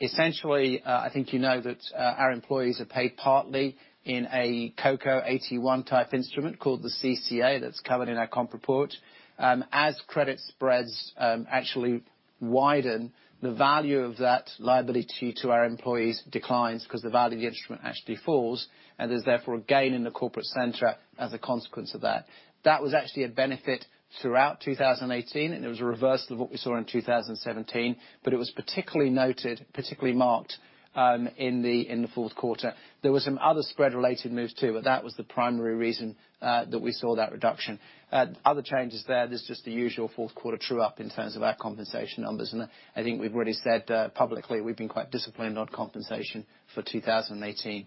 Essentially, I think you know that our employees are paid partly in a CoCo AT1 type instrument called the CCA that's covered in our comp report. As credit spreads actually widen, the value of that liability to our employees declines because the value of the instrument actually falls, and there's therefore a gain in the corporate center as a consequence of that. That was actually a benefit throughout 2018, and it was a reversal of what we saw in 2017, but it was particularly noted, particularly marked in the fourth quarter. There were some other spread-related moves, too, but that was the primary reason that we saw that reduction. Other changes there's just the usual fourth quarter true-up in terms of our compensation numbers. I think we've already said publicly we've been quite disciplined on compensation for 2018.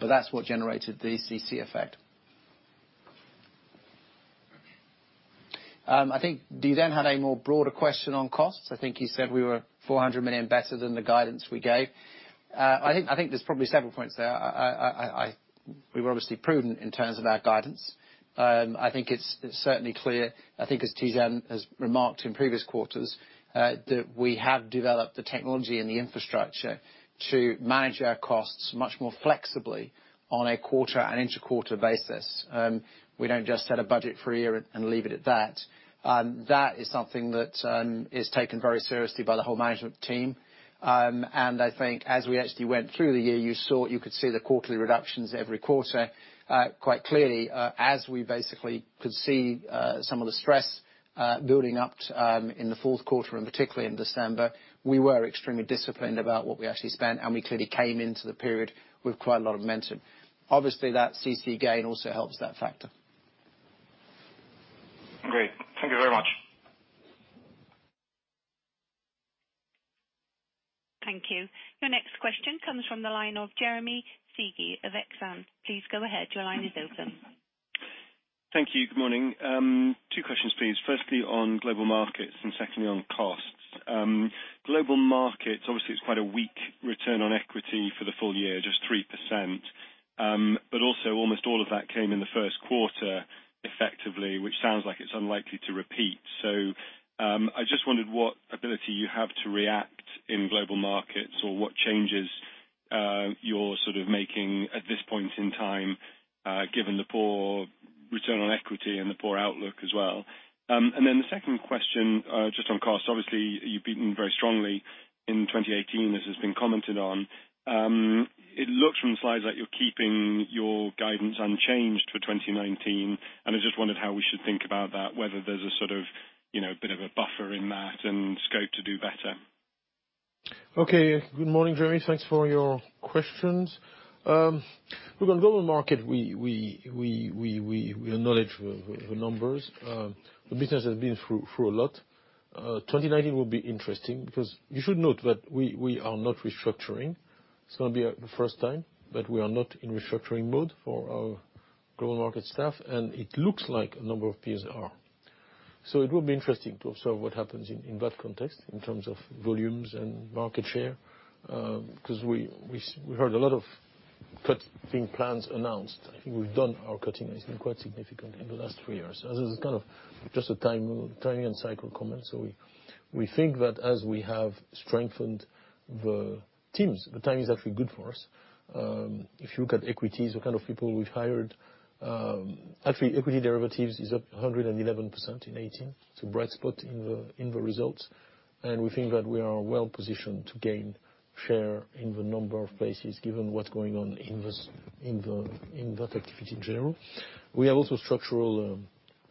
That's what generated the CC effect. I think you had a more broader question on costs. I think you said we were 400 million better than the guidance we gave. I think there's probably several points there. We were obviously prudent in terms of our guidance. I think it's certainly clear, I think as TJ has remarked in previous quarters, that we have developed the technology and the infrastructure to manage our costs much more flexibly on a quarter and inter-quarter basis. We don't just set a budget for a year and leave it at that. That is something that is taken very seriously by the whole management team. I think as we actually went through the year, you could see the quarterly reductions every quarter quite clearly as we basically could see some of the stress building up in the fourth quarter and particularly in December. We were extremely disciplined about what we actually spent, and we clearly came into the period with quite a lot of momentum. Obviously, that CC gain also helps that factor. Great. Thank you very much. Thank you. Your next question comes from the line of Jeremy Sigee of Exane BNP Paribas. Please go ahead. Your line is open. Thank you. Good morning. Two questions, please. Firstly, on Global Markets, secondly, on costs. Global Markets, obviously, it's quite a weak return on equity for the full year, just 3%. Also almost all of that came in the first quarter effectively, which sounds like it's unlikely to repeat. I just wondered what ability you have to react in Global Markets or what changes you're making at this point in time, given the poor return on equity and the poor outlook as well. The second question, just on costs. Obviously, you've beaten very strongly in 2018. This has been commented on. It looks from the slides that you're keeping your guidance unchanged for 2019, and I just wondered how we should think about that, whether there's a bit of a buffer in that and scope to do better. Okay. Good morning, Jeremy. Thanks for your questions. Look, on Global Markets, we acknowledge the numbers. The business has been through a lot. 2019 will be interesting because you should note that we are not restructuring. It's going to be the first time that we are not in restructuring mode for our Global Markets stuff, and it looks like a number of peers are. It will be interesting to observe what happens in that context in terms of volumes and market share, because we heard a lot of cutting plans announced. I think we've done our cutting, and it's been quite significant in the last three years. This is kind of just a timing and cycle comment. We think that as we have strengthened the teams, the timing is actually good for us. If you look at equities, the kind of people we've hired, actually equity derivatives is up 111% in 2018. It's a bright spot in the results. We think that we are well-positioned to gain share in the number of places given what's going on in that activity in general. We have also structural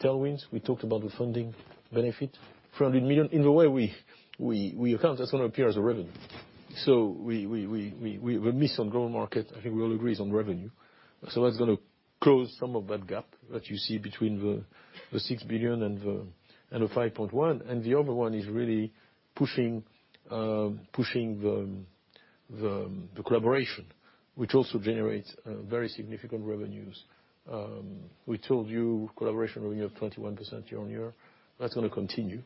tailwinds. We talked about the funding benefit, 400 million. In a way, we account, that's going to appear as a revenue. We miss on Global Markets, I think we all agree, is on revenue. That's going to close some of that gap that you see between the 6 billion and the 5.1 billion. The other one is really pushing the collaboration, which also generates very significant revenues. We told you collaboration revenue of 21% year-on-year, that's going to continue.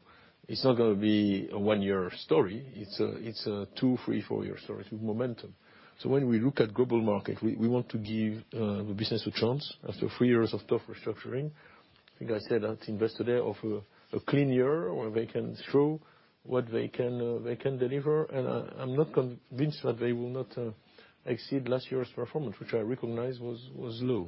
It's not going to be a one-year story. It's a two, three, four-year story with momentum. When we look at Global Markets, we want to give the business a chance after three years of tough restructuring. I think I said at Investor Day, of a clean year where they can show what they can deliver, and I'm not convinced that they will not exceed last year's performance, which I recognize was low.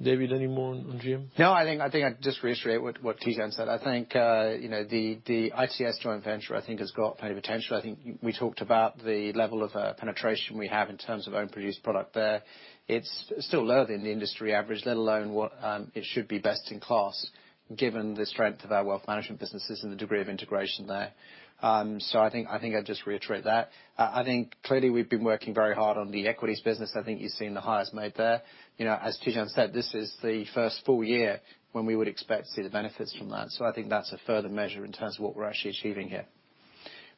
David, any more on GM? I think I'd just reiterate what Tidjane said. I think the ICS joint venture has got plenty of potential. I think we talked about the level of penetration we have in terms of own-produced product there. It's still lower than the industry average, let alone what it should be best in class, given the strength of our wealth management businesses and the degree of integration there. I think I'd just reiterate that. I think clearly we've been working very hard on the equities business. I think you've seen the hires made there. As Tidjane said, this is the first full year when we would expect to see the benefits from that. I think that's a further measure in terms of what we're actually achieving here.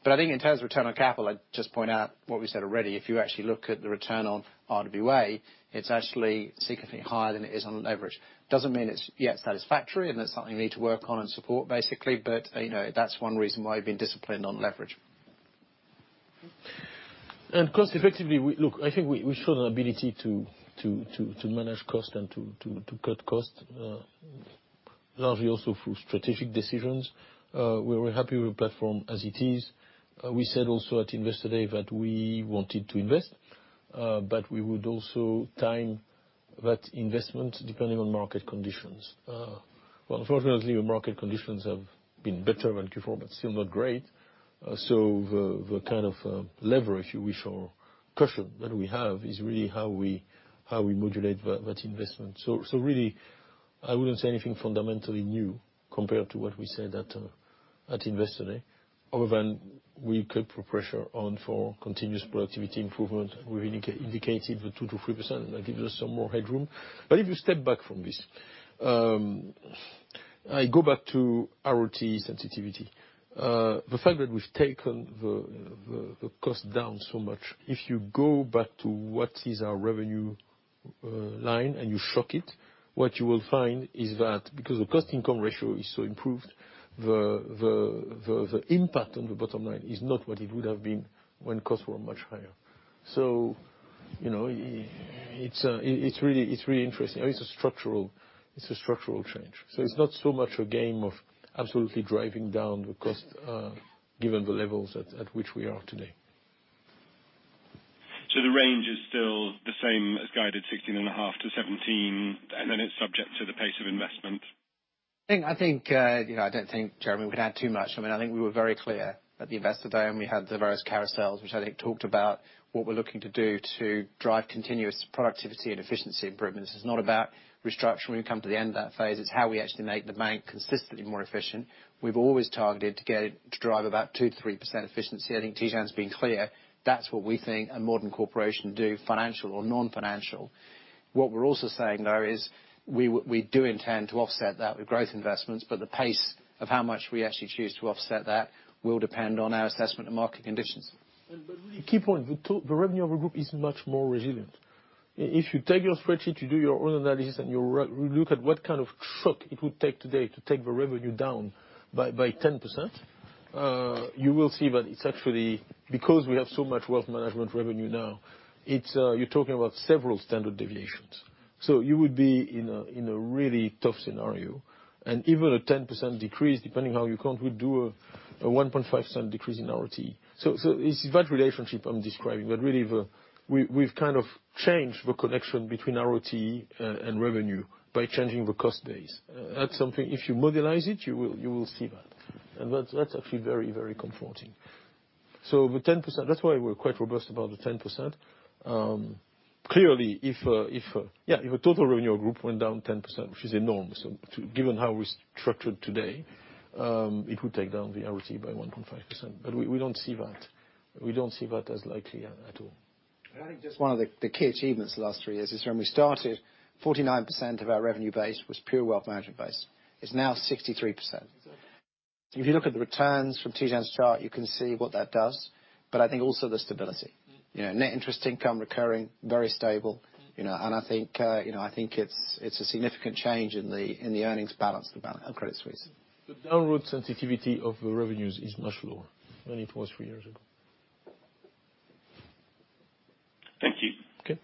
I think in terms of return on capital, I'd just point out what we said already. If you actually look at the return on RWA, it's actually significantly higher than it is on leverage. Doesn't mean it's yet satisfactory and it's something we need to work on and support, basically, that's one reason why we've been disciplined on leverage. Cost effectively, look, I think we showed an ability to manage cost and to cut cost, largely also through strategic decisions. We're happy with the platform as it is. We said also at Investor Day that we wanted to invest, we would also time that investment depending on market conditions. Fortunately, the market conditions have been better than Q4, still not great. The kind of leverage, if you wish, or cushion that we have is really how we modulate that investment. Really, I wouldn't say anything fundamentally new compared to what we said at Investor Day, other than we kept the pressure on for continuous productivity improvement. We indicated the 2%-3%, that gives us some more headroom. If you step back from this, I go back to ROT sensitivity. The fact that we've taken the cost down so much, if you go back to what is our revenue line and you shock it, what you will find is that because the cost income ratio is so improved, the impact on the bottom line is not what it would have been when costs were much higher. It's really interesting. It's a structural change. It's not so much a game of absolutely driving down the cost, given the levels at which we are today. The range is still the same as guided 16.5-17, it's subject to the pace of investment. Jeremy, we can add too much. We were very clear at the Investor Day, we had the various carousels, which talked about what we're looking to do to drive continuous productivity and efficiency improvements. This is not about restructuring. We've come to the end of that phase. It's how we actually make the bank consistently more efficient. We've always targeted to drive about 2%-3% efficiency. Tidjane's been clear. That's what we think a modern corporation do, financial or non-financial. We're also saying, though, is we do intend to offset that with growth investments, but the pace of how much we actually choose to offset that will depend on our assessment of market conditions. Really, key point, the revenue of a group is much more resilient. If you take your spreadsheet, you do your own analysis and you look at what kind of shock it would take today to take the revenue down by 10%, you will see that it's actually because we have so much wealth management revenue now, you're talking about several standard deviations. You would be in a really tough scenario. Even a 10% decrease, depending how you count, would do a 1.5% decrease in ROT. It's that relationship I'm describing, really we've kind of changed the connection between ROT and revenue by changing the cost base. That's something if you modelize it, you will see that. That's actually very comforting. The 10%, that's why we're quite robust about the 10%. Clearly, if total revenue group went down 10%, which is enormous, given how we're structured today, it would take down the ROT by 1.5%. We don't see that. We don't see that as likely at all. I think just one of the key achievements the last three years is when we started, 49% of our revenue base was pure wealth management base. It's now 63%. Exactly. If you look at the returns from Tidjane's chart, you can see what that does, but I think also the stability. Net interest income recurring, very stable. I think it's a significant change in the earnings balance at Credit Suisse. The downward sensitivity of the revenues is much lower than it was three years ago. Thank you. Okay.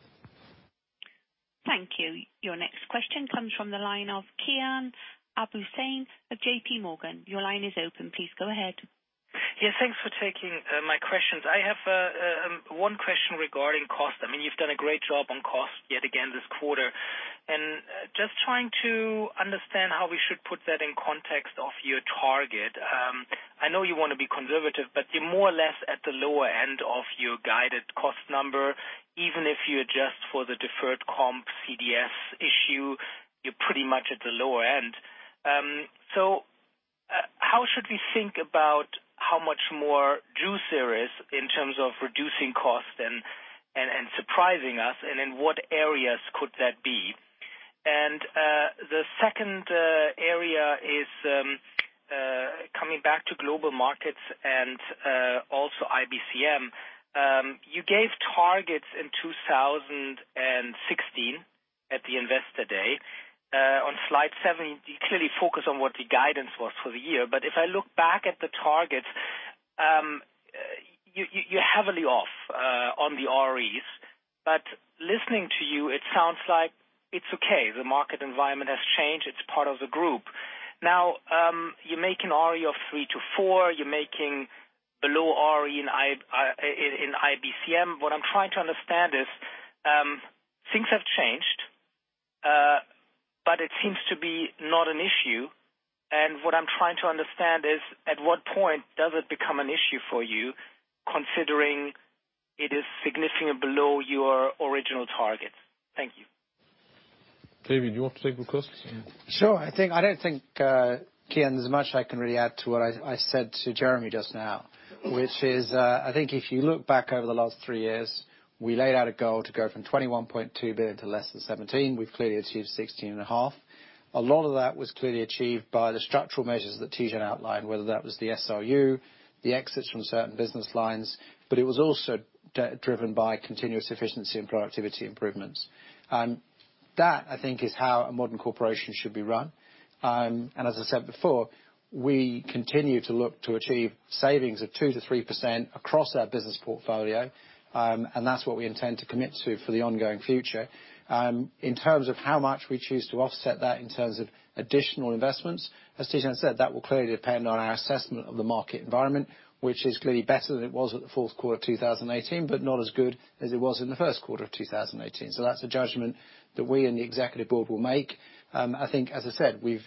Thank you. Your next question comes from the line of Kian Abouhossein of J.P. Morgan. Your line is open. Please go ahead. Thanks for taking my questions. I have one question regarding cost. You've done a great job on cost yet again this quarter. Just trying to understand how we should put that in context of your target. I know you want to be conservative, but you're more or less at the lower end of your guided cost number. Even if you adjust for the deferred comp CDS issue, you're pretty much at the lower end. How should we think about how much more juice there is in terms of reducing cost and surprising us, and in what areas could that be? The second area is coming back to Global Markets and also IBCM. You gave targets in 2016 at the Investor Day. On slide 17, you clearly focus on what the guidance was for the year. If I look back at the targets, you're heavily off on the REs. But listening to you, it sounds like it's okay. The market environment has changed. It's part of the group. Now, you're making RE of three to four, you're making a low RE in IBCM. What I'm trying to understand is, things have changed, but it seems to be not an issue. What I'm trying to understand is, at what point does it become an issue for you, considering it is significantly below your original target? Thank you. David, you want to take the costs? Sure. I don't think, Kian, there's much I can really add to what I said to Jeremy just now, which is, I think if you look back over the last three years, we laid out a goal to go from 21.2 billion to less than 17 billion. We've clearly achieved 16.5 billion. A lot of that was clearly achieved by the structural measures that Tidjane outlined, whether that was the SRU, the exits from certain business lines, but it was also driven by continuous efficiency and productivity improvements. That, I think, is how a modern corporation should be run. As I said before, we continue to look to achieve savings of 2%-3% across our business portfolio, and that's what we intend to commit to for the ongoing future. In terms of how much we choose to offset that in terms of additional investments, as Tidjane said, that will clearly depend on our assessment of the market environment, which is clearly better than it was at the fourth quarter of 2018, but not as good as it was in the first quarter of 2018. That's a judgment that we and the executive board will make. I think, as I said, we've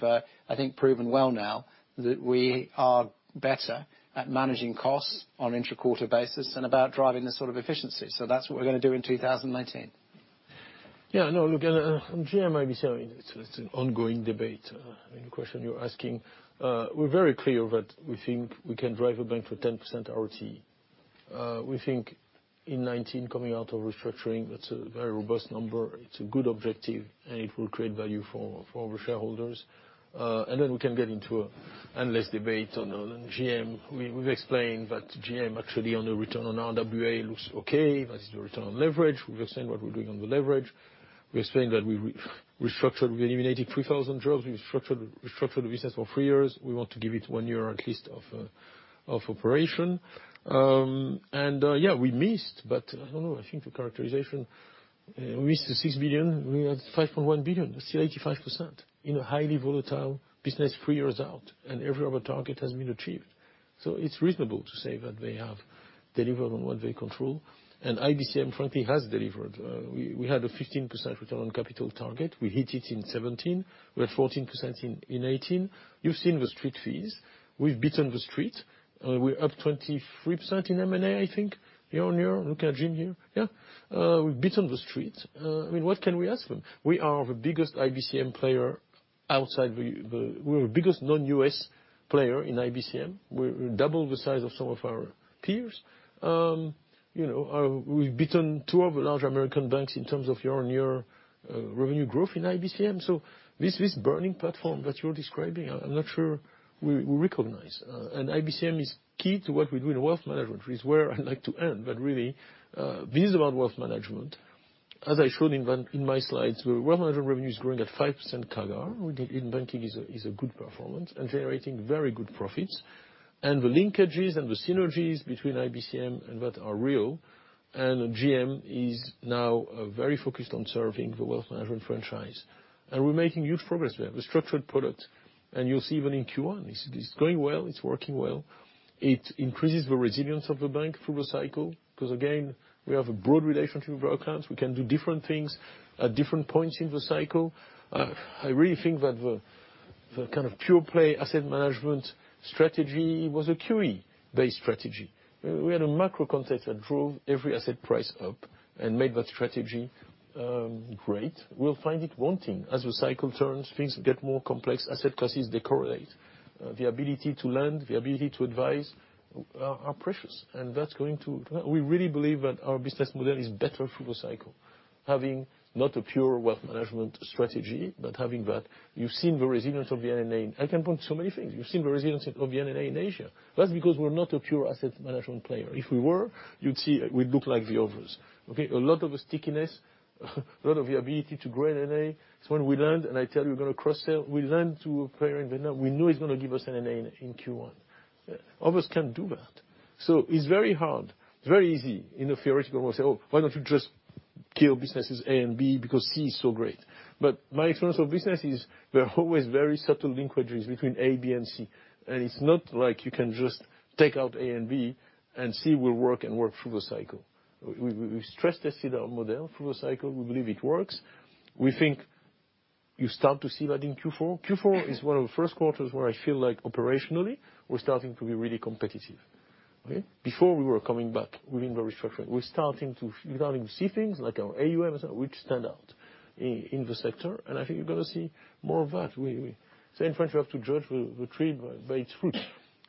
proven well now that we are better at managing costs on intra-quarter basis and about driving the sort of efficiency. That's what we're going to do in 2019. No, look, GM, IBC, it's an ongoing debate, the question you're asking. We're very clear that we think we can drive a bank for 10% ROT. We think in 2019, coming out of restructuring, that's a very robust number. It's a good objective, and it will create value for our shareholders. Then we can get into an endless debate on GM. We've explained that GM, actually, on the return on RWA looks okay. That is the return on leverage. We've explained what we're doing on the leverage. We explained that we restructured, we eliminated 3,000 jobs, we restructured the business for three years. We want to give it one year at least of operation. Yeah, we missed, but I don't know, I think the characterization, we missed the 6 billion, we had 5.1 billion. That is still 85% in a highly volatile business three years out. Every other target has been achieved. It is reasonable to say that they have delivered on what they control. IBCM, frankly, has delivered. We had a 15% return on capital target. We hit it in 2017. We had 14% in 2018. You have seen the Street fees. We have beaten The Street. We are up 23% in M&A, I think, year-on-year. Looking at Jim here. Yes. We have beaten The Street. What can we ask them? We are the biggest non-U.S. player in IBCM. We are double the size of some of our peers. We have beaten two of the large American banks in terms of year-on-year revenue growth in IBCM. This burning platform that you are describing, I am not sure we recognize. IBCM is key to what we do in wealth management, is where I would like to end. Really, this is about wealth management. As I showed in my slides, the wealth management revenue is growing at 5% CAGR, which in banking is a good performance, and generating very good profits. The linkages and the synergies between IBCM and that are real. GM is now very focused on serving the wealth management franchise. We are making huge progress there. The structured product, you will see even in Q1, it is going well, it is working well. It increases the resilience of the bank through the cycle, because again, we have a broad relationship with our accounts. We can do different things at different points in the cycle. I really think that the kind of pure-play asset management strategy was a QE-based strategy. We had a macro context that drove every asset price up and made that strategy great. We will find it wanting. The cycle turns, things get more complex. Asset classes, they correlate. The ability to lend, the ability to advise are precious. We really believe that our business model is better through the cycle, having not a pure wealth management strategy, but having that. You have seen the resilience of the NNA. I can point to so many things. You have seen the resilience of the NNA in Asia. That is because we are not a pure asset management player. If we were, you would see we would look like the others. Okay? A lot of the stickiness, a lot of the ability to grow NNA is when we lend, and I tell you we are going to cross-sell, we lend to a player and we know he is going to give us NNA in Q1. Others cannot do that. It is very hard. It is very easy in a theoretical model to say, "Oh, why don't you just kill businesses A and B because C is so great?" My experience of business is, there are always very subtle linkages between A, B and C. It is not like you can just take out A and B and C will work and work through the cycle. We have stress-tested our model through a cycle. We believe it works. We think you start to see that in Q4. Q4 is one of the first quarters where I feel like operationally, we are starting to be really competitive. Okay? Before we were coming back within the restructuring. We are starting to see things like our AUMs, which stand out in the sector. I think you are going to see more of that. In French we have to judge the tree by its fruit,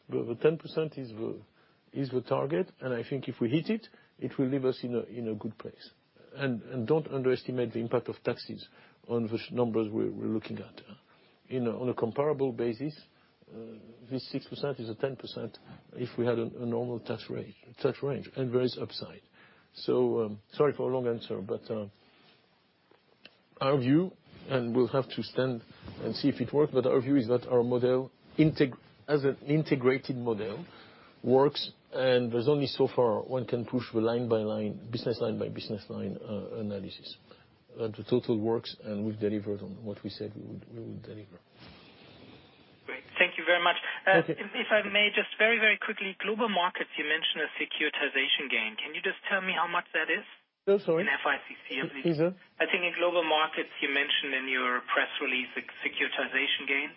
where the 10% is the target, and I think if we hit it will leave us in a good place. Don't underestimate the impact of taxes on the numbers we're looking at. On a comparable basis, this 6% is a 10% if we had a normal tax range, and there is upside. Sorry for a long answer, but our view, and we'll have to stand and see if it works, but our view is that our model, as an integrated model, works, and there's only so far one can push the business line by business line analysis. The total works, and we've delivered on what we said we would deliver. Great. Thank you very much. Okay. If I may just very quickly, Global Markets, you mentioned a securitization gain. Can you just tell me how much that is? I'm sorry? In FICC. Excuse us? I think in Global Markets, you mentioned in your press release a securitization gain.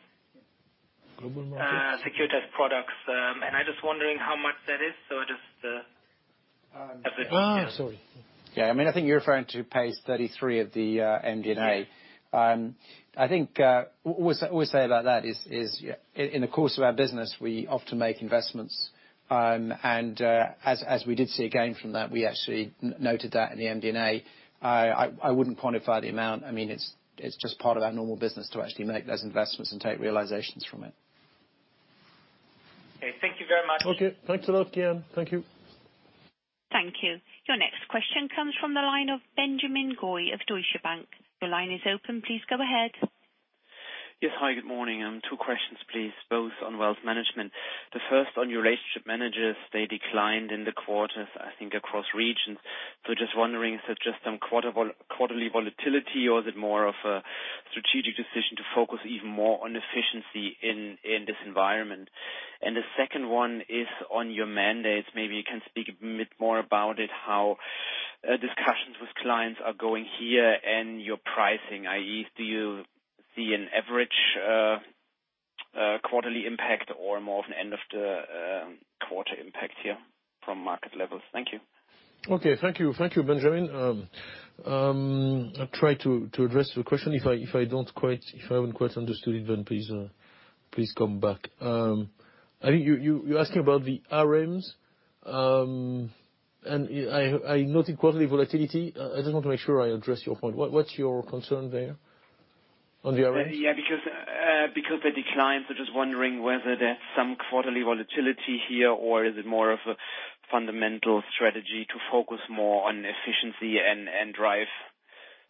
Global Markets? Securitized products. I'm just wondering how much that is. Sorry. Yeah. I think you're referring to page 33 of the MD&A. Yes. What we say about that is, in the course of our business, we often make investments, and as we did see a gain from that, we actually noted that in the MD&A. I wouldn't quantify the amount. It's just part of our normal business to actually make those investments and take realizations from it. Okay, thank you very much. Okay, thanks a lot, Kian. Thank you. Thank you. Your next question comes from the line of Benjamin Goy of Deutsche Bank. Your line is open. Please go ahead. Yes. Hi, good morning. Two questions, please, both on wealth management. The first, on your relationship managers, they declined in the quarter, I think across regions. Just wondering, is that just some quarterly volatility, or is it more of a strategic decision to focus even more on efficiency in this environment? The second one is on your mandates. Maybe you can speak a bit more about it, how discussions with clients are going here and your pricing, i.e., do you see an average quarterly impact or more of an end-of-the-quarter impact here from market levels? Thank you. Okay, thank you. Thank you, Benjamin. I'll try to address your question. If I haven't quite understood it, then please come back. I think you're asking about the RMs, and I noted quarterly volatility. I just want to make sure I address your point. What's your concern there on the RMs? Yeah, because they declined, just wondering whether there's some quarterly volatility here, or is it more of a fundamental strategy to focus more on efficiency and.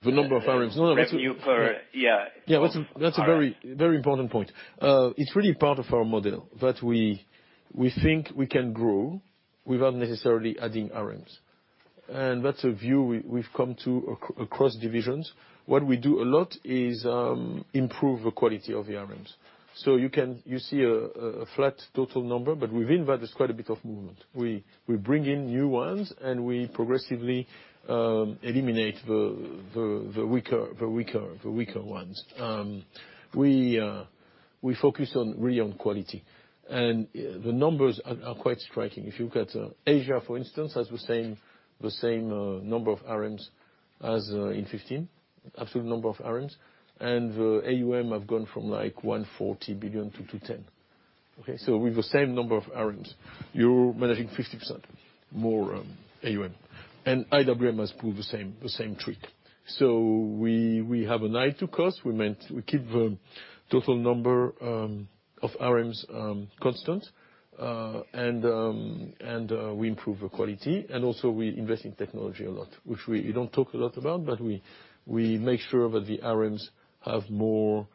The number of RMs revenue. Yeah. That's a very important point. It's really part of our model that we think we can grow without necessarily adding RMs. That's a view we've come to across divisions. What we do a lot is improve the quality of the RMs. You see a flat total number, but within that, there's quite a bit of movement. We bring in new ones, and we progressively eliminate the weaker ones. We focus really on quality. The numbers are quite striking. If you look at Asia, for instance, has the same number of RMs as in 2015, absolute number of RMs, and the AUM have gone from like 140 billion to 210 billion. Okay? With the same number of RMs, you're managing 50% more AUM. IWM has proved the same trick. We have an eye to cost. We keep the total number of RMs constant, we improve the quality, also we invest in technology a lot, which we don't talk a lot about, but we make sure that the RMs have more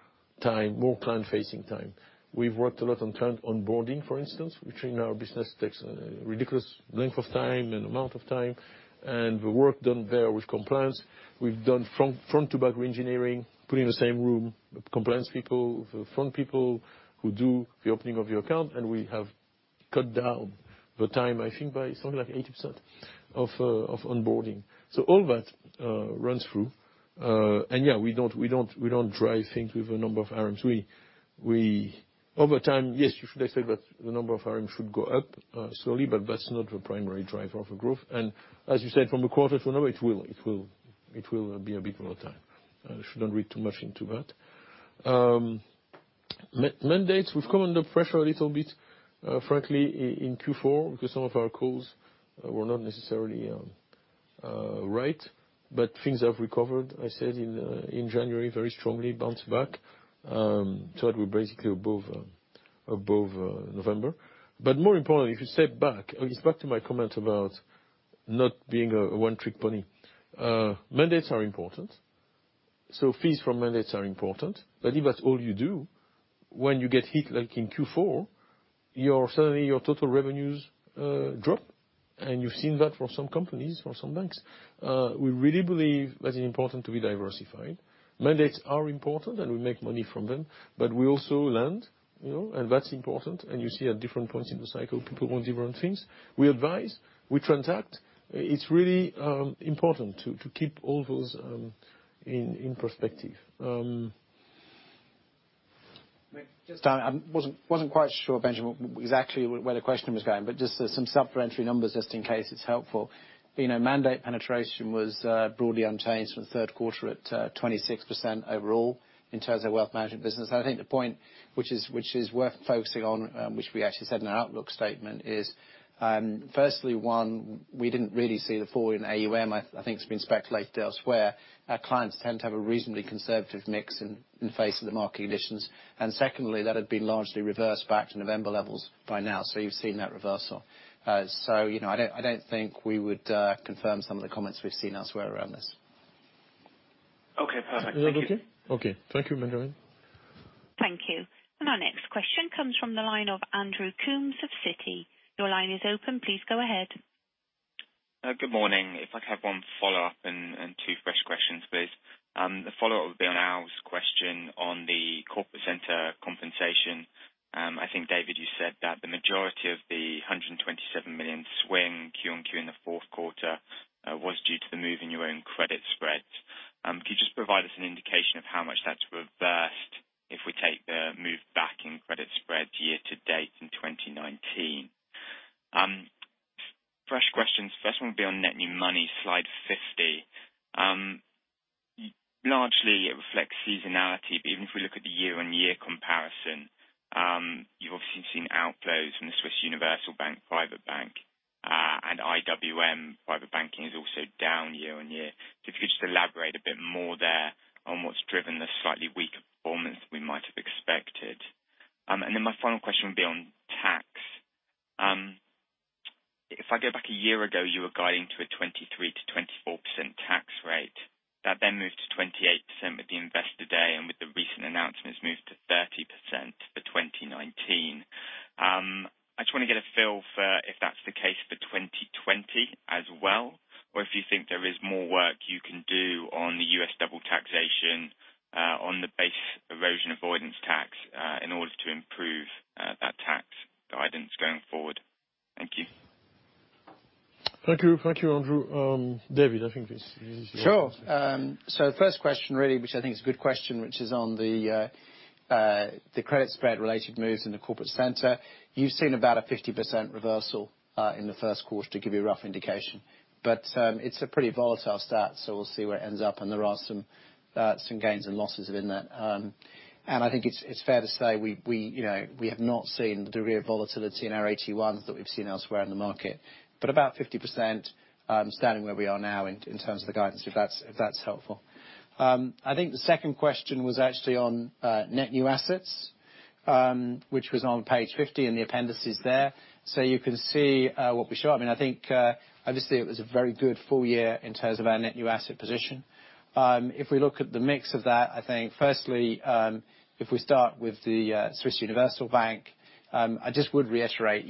time, more client-facing time. We've worked a lot on client onboarding, for instance, which in our business takes a ridiculous length of time and amount of time, the work done there with compliance. We've done front-to-back reengineering, put in the same room compliance people, the front people who do the opening of your account, we have cut down the time, I think by something like 80% of onboarding. All that runs through. We don't drive things with the number of RMs. Over time, yes, you should have said that the number of RMs should go up slowly, that's not the primary driver of growth. As you said, from a quarter to another, it will be a bit more time. Should not read too much into that. Mandates, we've come under pressure a little bit, frankly, in Q4 because some of our calls were not necessarily right. Things have recovered, I said in January, very strongly bounced back to what we're basically above November. More importantly, if you step back, it's back to my comment about not being a one-trick pony. Mandates are important. Fees from mandates are important. If that's all you do, when you get hit, like in Q4, suddenly your total revenues drop. You've seen that for some companies, for some banks. We really believe that it's important to be diversified. Mandates are important, and we make money from them. We also lend, and that's important. You see at different points in the cycle, people want different things. We advise, we transact. It's really important to keep all those in perspective. I wasn't quite sure, Benjamin, exactly where the question was going, but just some supplementary numbers just in case it's helpful. Mandate penetration was broadly unchanged from the third quarter at 26% overall in terms of wealth management business. I think the point which is worth focusing on, which we actually said in our outlook statement, is firstly, one, we didn't really see the fall in AUM. I think it's been speculated elsewhere. Our clients tend to have a reasonably conservative mix in the face of the market conditions. Secondly, that had been largely reversed back to November levels by now. You've seen that reversal. I don't think we would confirm some of the comments we've seen elsewhere around this. Okay, perfect. Thank you. Is that okay? Okay. Thank you, Benjamin. Thank you. Our next question comes from the line of Andrew Coombs of Citi. Your line is open. Please go ahead. Good morning. If I could have one follow-up and two fresh questions, please. The follow-up Yeah would be on Al's question on the corporate center compensation. I think, David, you said that the majority of the 127 million swing quarter-on-quarter in the fourth quarter was due to the move in your own credit spreads. Could you just provide us an indication of how much that's reversed if we take the move back in credit spreads year to date in 2019? Fresh questions. First one will be on net new money, slide 50. Largely, it reflects seasonality, but even if we look at the year-on-year comparison, you've obviously seen outflows from the Swiss Universal Bank, Private Bank, and IWM Private Banking is also down year-on-year. If you could just elaborate a bit more there on what's driven the slightly weaker performance we might have expected. My final question would be on tax. If I go back a year ago, you were guiding to a 23%-24% tax rate. That then moved to 28% with the Investor Day, and with the recent announcements, moved to 30% for 2019. I just want to get a feel for if that's the case for 2020 as well, or if you think there is more work you can do on the U.S. double taxation on the Base Erosion Avoidance Tax in order to improve that tax guidance going forward. Thank you. Thank you, Andrew. David, I think this is yours. Sure. The first question, really, which I think is a good question, which is on the credit spread-related moves in the corporate center. You've seen about a 50% reversal in the first quarter to give you a rough indication. It's a pretty volatile stat, so we'll see where it ends up. There are some gains and losses within that. I think it's fair to say we have not seen the degree of volatility in our AT1s that we've seen elsewhere in the market. About 50% standing where we are now in terms of the guidance, if that's helpful. The second question was actually on net new assets, which was on page 50 in the appendices there. You can see what we show. I mean, I think obviously it was a very good full year in terms of our net new asset position. If we look at the mix of that, I think firstly, if we start with the Swiss Universal Bank, I just would reiterate,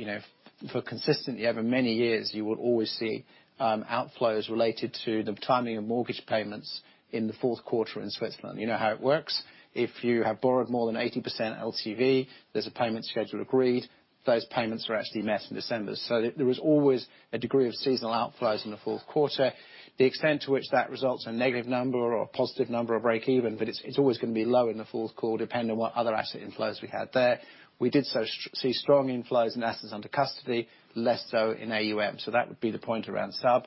for consistently over many years, you would always see outflows related to the timing of mortgage payments in the fourth quarter in Switzerland. You know how it works. If you have borrowed more than 80% LTV, there's a payment schedule agreed. Those payments are actually met in December. There was always a degree of seasonal outflows in the fourth quarter. The extent to which that results in a negative number or a positive number or breakeven, but it's always going to be low in the fourth quarter, depending on what other asset inflows we had there. We did see strong inflows in assets under custody, less so in AUM. That would be the point around SUB.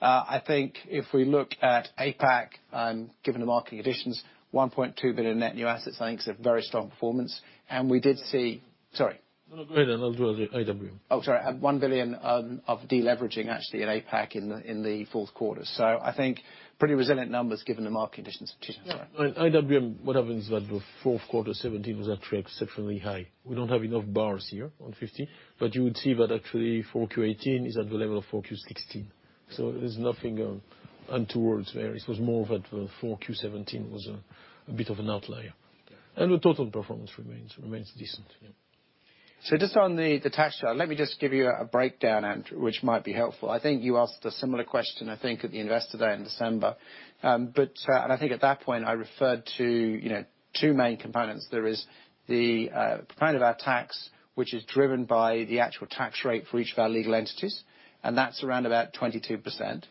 I think if we look at APAC, given the market conditions, 1.2 billion net new assets, I think is a very strong performance. We did see-- Sorry. No, go ahead. I'll do IWM. Oh, sorry. 1 billion of deleveraging, actually, in APAC in the fourth quarter. I think pretty resilient numbers given the market conditions. Sorry. IWM, what happens is that the fourth quarter 2017 was actually exceptionally high. We don't have enough bars here on 50, but you would see that actually 4Q 2018 is at the level of 4Q 2016. There's nothing untoward there. It was more that the 4Q 2017 was a bit of an outlier. Yeah. The total performance remains decent. Yeah. Just on the tax chart, let me just give you a breakdown, Andrew, which might be helpful. I think you asked a similar question, I think, at the Investor Day in December. I think at that point I referred to two main components. There is the component of our tax, which is driven by the actual tax rate for each of our legal entities, and that's around about 22%.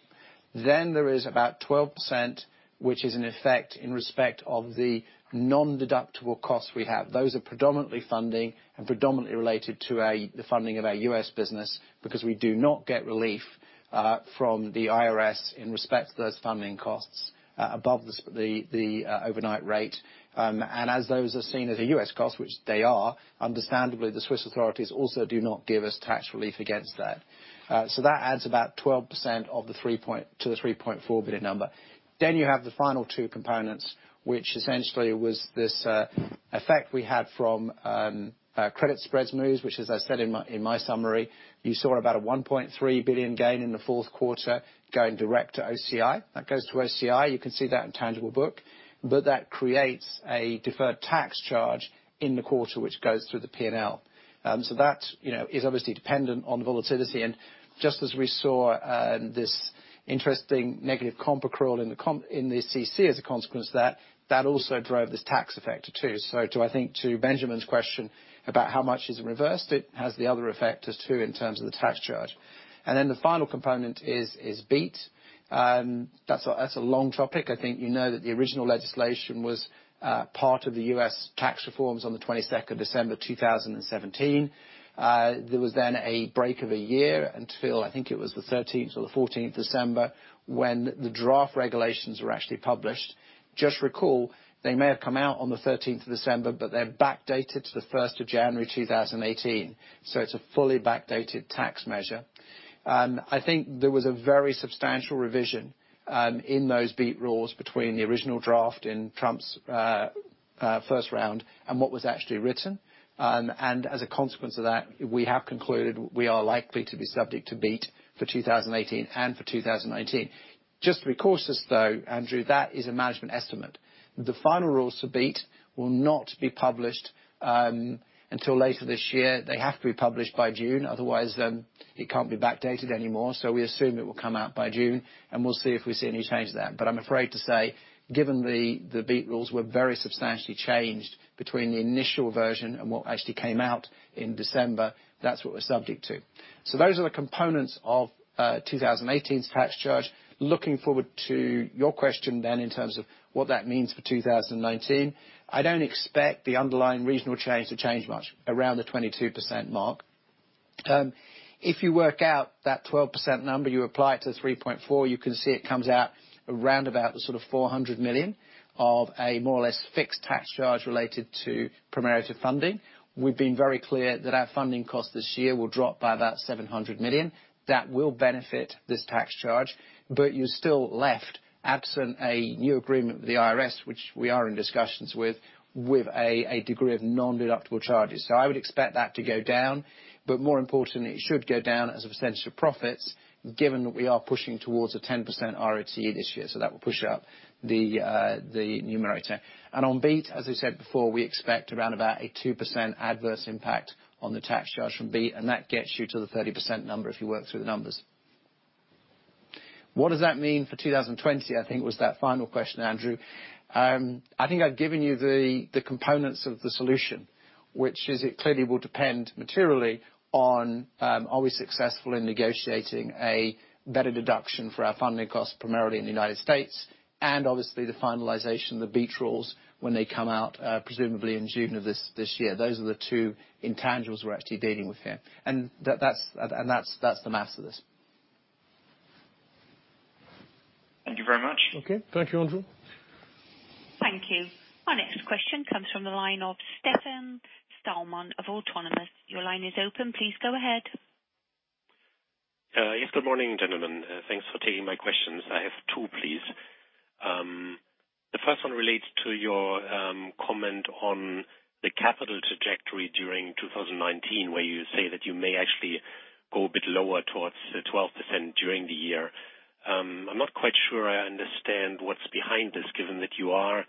There is about 12%, which is in effect in respect of the non-deductible costs we have. Those are predominantly funding and predominantly related to the funding of our U.S. business, because we do not get relief from the IRS in respect to those funding costs above the overnight rate. As those are seen as a U.S. cost, which they are, understandably, the Swiss authorities also do not give us tax relief against that. That adds about 12% to the 3.4 billion number. You have the final two components, which essentially was this effect we had from credit spreads moves, which as I said in my summary, you saw about a 1.3 billion gain in the fourth quarter going direct to OCI. That goes to OCI. You can see that in tangible book. That creates a deferred tax charge in the quarter, which goes through the P&L. That is obviously dependent on the volatility. Just as we saw this interesting negative comp accrual in the CC as a consequence of that also drove this tax effect too. I think to Benjamin's question about how much is reversed, it has the other effect as to in terms of the tax charge. The final component is BEAT. That's a long topic. I think you know that the original legislation was part of the U.S. tax reforms on the 22nd December 2017. There was a break of a year until, I think it was the 13th or 14th December when the draft regulations were actually published. Just recall, they may have come out on the 13th of December but they're backdated to the 1st of January 2018. It's a fully backdated tax measure. I think there was a very substantial revision in those BEAT rules between the original draft in Trump's first round and what was actually written. As a consequence of that, we have concluded we are likely to be subject to BEAT for 2018 and for 2019. Just to recourse this though, Andrew, that is a management estimate. The final rules for BEAT will not be published until later this year. They have to be published by June, otherwise it can't be backdated anymore. We assume it will come out by June, and we'll see if we see any change to that. I'm afraid to say, given the BEAT rules were very substantially changed between the initial version and what actually came out in December, that's what we're subject to. Those are the components of 2018's tax charge. Looking forward to your question then in terms of what that means for 2019. I don't expect the underlying regional change to change much, around the 22% mark. If you work out that 12% number, you apply it to the 3.4 billion, you can see it comes out around about the sort of 400 million of a more or less fixed tax charge related to primarily to funding. We've been very clear that our funding cost this year will drop by about 700 million. That will benefit this tax charge. You're still left absent a new agreement with the IRS, which we are in discussions with a degree of non-deductible charges. I would expect that to go down. More importantly, it should go down as a percentage of profits given that we are pushing towards a 10% ROCE this year. That will push up the numerator. On BEAT, as I said before, we expect around about a 2% adverse impact on the tax charge from BEAT, and that gets you to the 30% number if you work through the numbers. What does that mean for 2020, I think was that final question, Andrew. I think I've given you the components of the solution, which is it clearly will depend materially on, are we successful in negotiating a better deduction for our funding costs, primarily in the U.S., and obviously the finalization of the BEAT rules when they come out, presumably in June of this year. Those are the two intangibles we're actually dealing with here. That's the math of this. Thank you very much. Okay. Thank you, Andrew. Thank you. Our next question comes from the line of Stefan Stalmann of Autonomous Research. Your line is open. Please go ahead. Yes, good morning, gentlemen. Thanks for taking my questions. I have two, please. The first one relates to your comment on the capital trajectory during 2019, where you say that you may actually go a bit lower towards the 12% during the year. I'm not quite sure I understand what's behind this, given that you are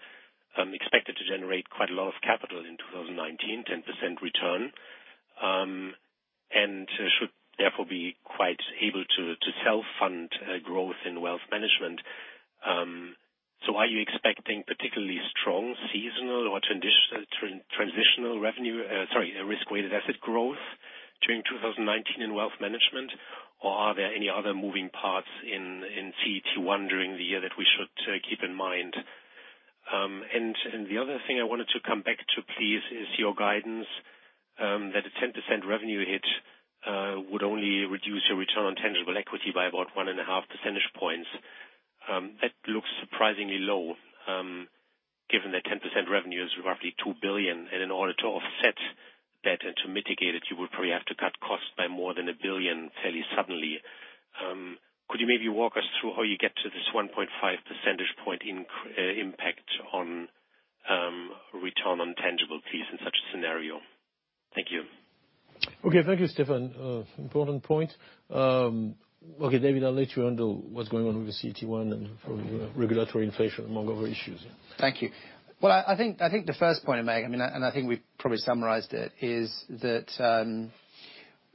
expected to generate quite a lot of capital in 2019, 10% return, and should therefore be quite able to self-fund growth in wealth management. Are you expecting particularly strong seasonal or transitional revenue, sorry, risk-weighted asset growth during 2019 in wealth management? Are there any other moving parts in CET1 during the year that we should keep in mind? The other thing I wanted to come back to, please, is your guidance that a 10% revenue hit would only reduce your return on tangible equity by about one and a half percentage points. That looks surprisingly low, given that 10% revenue is roughly 2 billion, and in order to offset that and to mitigate it, you would probably have to cut costs by more than 1 billion fairly suddenly. Could you maybe walk us through how you get to this 1.5 percentage point impact on return on tangible, please, in such a scenario? Thank you. Thank you, Stefan. Important point. David, I'll let you handle what's going on with the CET1 and from a regulatory inflation among other issues. Thank you. I think the first point I make, and I think we've probably summarized it, is that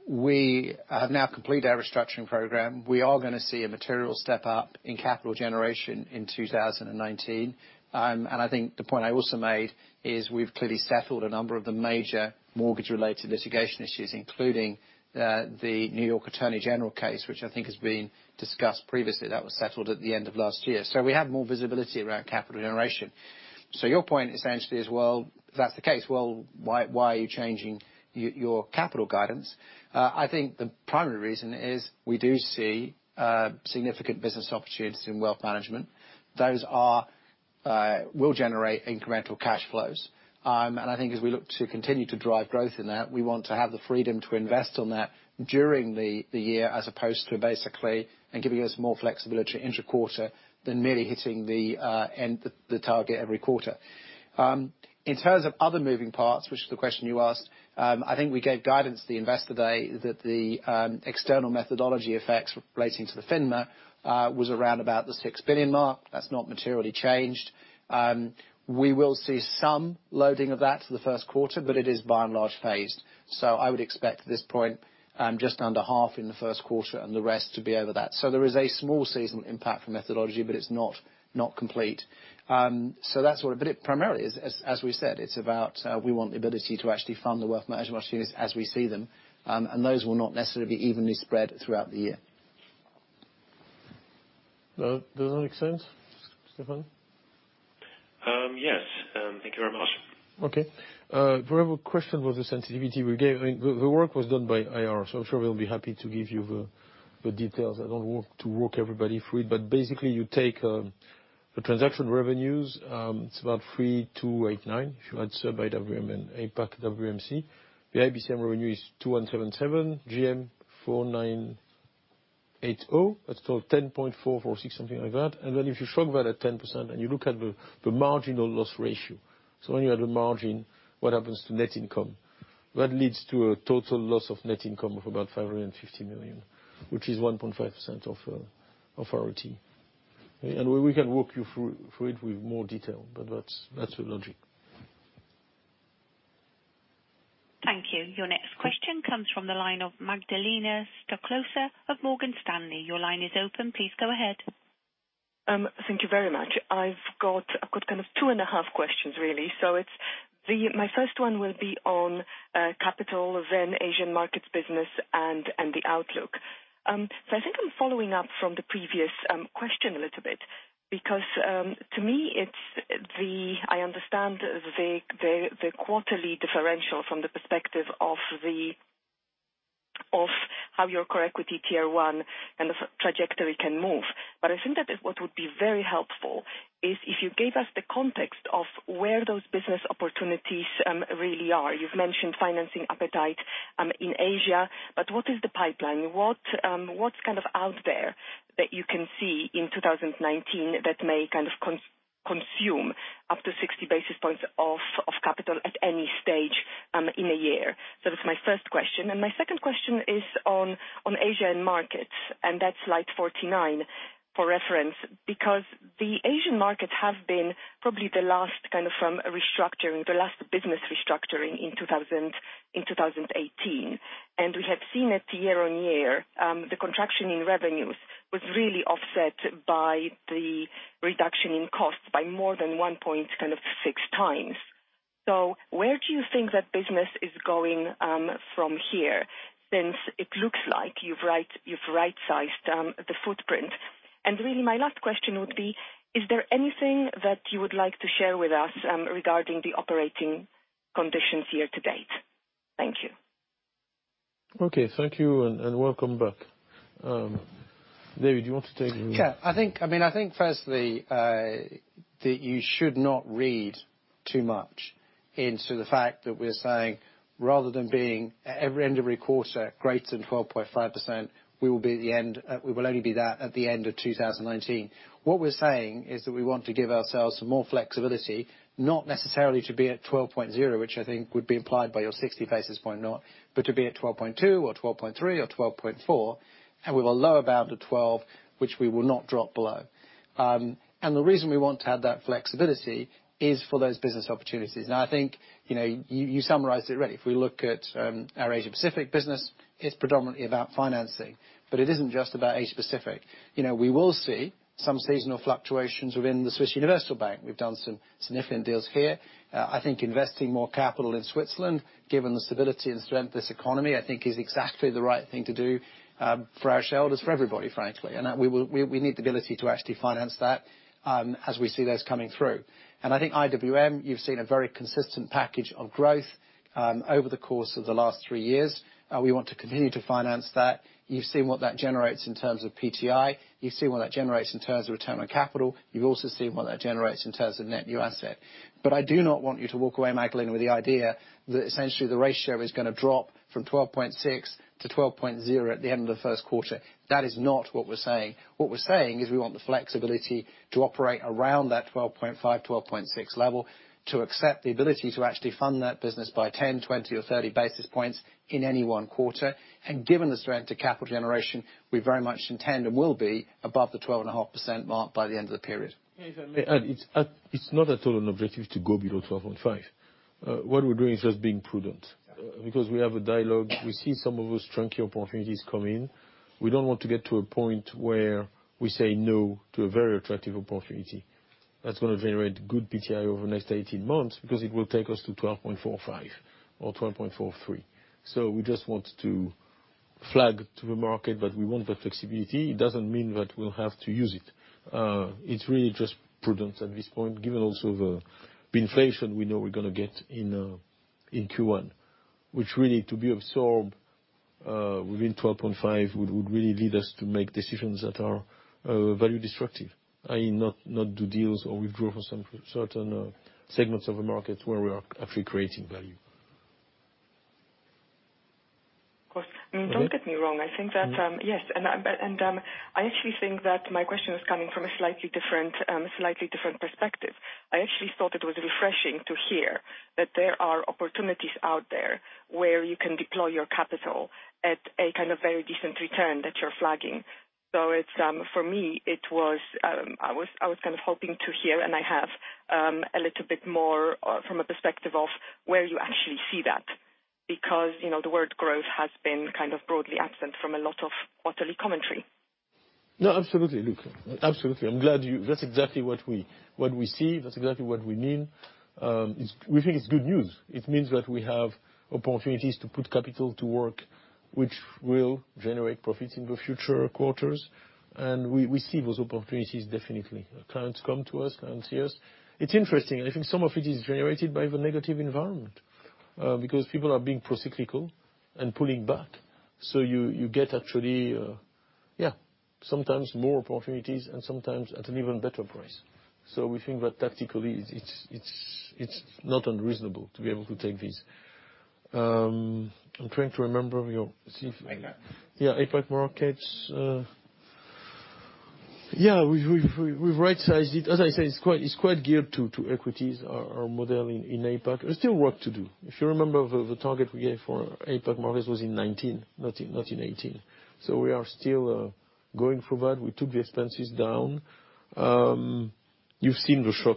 we have now completed our restructuring program. We are going to see a material step up in capital generation in 2019. I think the point I also made is we've clearly settled a number of the major mortgage related litigation issues, including the New York Attorney General case, which I think has been discussed previously. That was settled at the end of last year. We have more visibility around capital generation. Your point essentially is, well, if that's the case, well, why are you changing your capital guidance? I think the primary reason is we do see significant business opportunities in wealth management. Those will generate incremental cash flows. I think as we look to continue to drive growth in that, we want to have the freedom to invest on that during the year as opposed to basically giving us more flexibility inter-quarter than merely hitting the end the target every quarter. In terms of other moving parts, which is the question you asked, I think we gave guidance at the Investor Day that the external methodology effects relating to the FINMA was around about the 6 billion mark. That is not materially changed. We will see some loading of that for the first quarter, but it is by and large phased. I would expect at this point, just under half in the first quarter and the rest to be over that. There is a small seasonal impact from methodology, but it is not complete. It primarily is, as we said, it is about we want the ability to actually fund the wealth management opportunities as we see them. Those will not necessarily be evenly spread throughout the year. Well, does that make sense, Stefan? Yes. Thank you very much. Okay. For our question was the sensitivity we gave, the work was done by IR, so I am sure we will be happy to give you the details. I do not want to walk everybody through it. Basically, you take the transaction revenues, it is about 3,289. If you add SUB IWM and APAC WMC. The IBCM revenue is 2,177, GM 4,980. That is called 10,446, something like that. Then if you shrunk that at 10% and you look at the marginal loss ratio, so when you add a margin, what happens to net income? That leads to a total loss of net income of about 550 million, which is 1.5% of our RoTE. We can walk you through it with more detail, but that is the logic. Thank you. Your next question comes from the line of Magdalena Stoklosa of Morgan Stanley. Your line is open. Please go ahead. Thank you very much. I have got kind of two and a half questions really. My first one will be on capital, Asian markets business and the outlook. I think I am following up from the previous question a little bit because, to me, I understand the quarterly differential from the perspective of how your core equity Tier 1 and the trajectory can move. I think that what would be very helpful is if you gave us the context of where those business opportunities really are. You have mentioned financing appetite in Asia. What is the pipeline? What is out there that you can see in 2019 that may consume up to 60 basis points of capital at any stage in a year? That is my first question. My second question is on Asian markets, and that is slide 49 for reference, because the Asian markets have been probably the last business restructuring in 2018. We have seen it year-on-year. The contraction in revenues was really offset by the reduction in costs by more than 1.6 times. Where do you think that business is going from here, since it looks like you have right-sized the footprint? Really, my last question would be, is there anything that you would like to share with us regarding the operating conditions year to date? Thank you. Okay. Thank you, and welcome back. David, you want to take. Yeah. I think firstly, that you should not read too much into the fact that we're saying rather than being at every end of every quarter greater than 12.5%, we will only be that at the end of 2019. What we're saying is that we want to give ourselves some more flexibility, not necessarily to be at 12.0, which I think would be implied by your 60 basis points, but to be at 12.2 or 12.3 or 12.4, with a lower bound of 12, which we will not drop below. The reason we want to have that flexibility is for those business opportunities. Now, I think you summarized it already. If we look at our Asia Pacific business, it's predominantly about financing. It isn't just about Asia Pacific. We will see some seasonal fluctuations within the Swiss Universal Bank. We've done some significant deals here. I think investing more capital in Switzerland, given the stability and strength of this economy, I think is exactly the right thing to do for our shareholders, for everybody, frankly. We need the ability to actually finance that as we see those coming through. I think IWM, you've seen a very consistent package of growth over the course of the last three years. We want to continue to finance that. You've seen what that generates in terms of PTI. You've seen what that generates in terms of return on capital. You've also seen what that generates in terms of net new asset. I do not want you to walk away, Magdalena, with the idea that essentially the ratio is going to drop from 12.6 to 12.0 at the end of the first quarter. That is not what we're saying. What we're saying is we want the flexibility to operate around that 12.5, 12.6 level to accept the ability to actually fund that business by 10, 20 or 30 basis points in any one quarter. Given the strength of capital generation, we very much intend and will be above the 12.5% mark by the end of the period. If I may add, it's not at all an objective to go below 12.5. What we're doing is just being prudent. We have a dialogue. We see some of those transaction opportunities come in. We don't want to get to a point where we say no to a very attractive opportunity that's going to generate good PTI over the next 18 months because it will take us to 12.45 or 12.43. We just want to flag to the market that we want that flexibility. It doesn't mean that we'll have to use it. It's really just prudence at this point, given also the inflation we know we're going to get in Q1, which really to be absorbed, within 12.5 would really lead us to make decisions that are value destructive. I would not do deals or withdraw from certain segments of the market where we are actually creating value. Of course. Go ahead. Don't get me wrong. I actually think that my question was coming from a slightly different perspective. I actually thought it was refreshing to hear that there are opportunities out there where you can deploy your capital at a kind of very decent return that you're flagging. For me, I was kind of hoping to hear, and I have, a little bit more from a perspective of where you actually see that, because the word growth has been kind of broadly absent from a lot of quarterly commentary. No, absolutely. Absolutely. I'm glad. That's exactly what we see. That's exactly what we mean. We think it's good news. It means that we have opportunities to put capital to work, which will generate profits in the future quarters, and we see those opportunities definitely. Clients come to us, clients hear us. It's interesting, and I think some of it is generated by the negative environment, because people are being procyclical and pulling back. You get actually, sometimes more opportunities and sometimes at an even better price. We think that tactically it's not unreasonable to be able to take these. I'm trying to remember. APAC. APAC markets. We've right-sized it. As I said, it's quite geared to equities, our model in APAC. There's still work to do. If you remember, the target we gave for APAC markets was in 2019, not in 2018. We are still going through that. We took the expenses down. You've seen the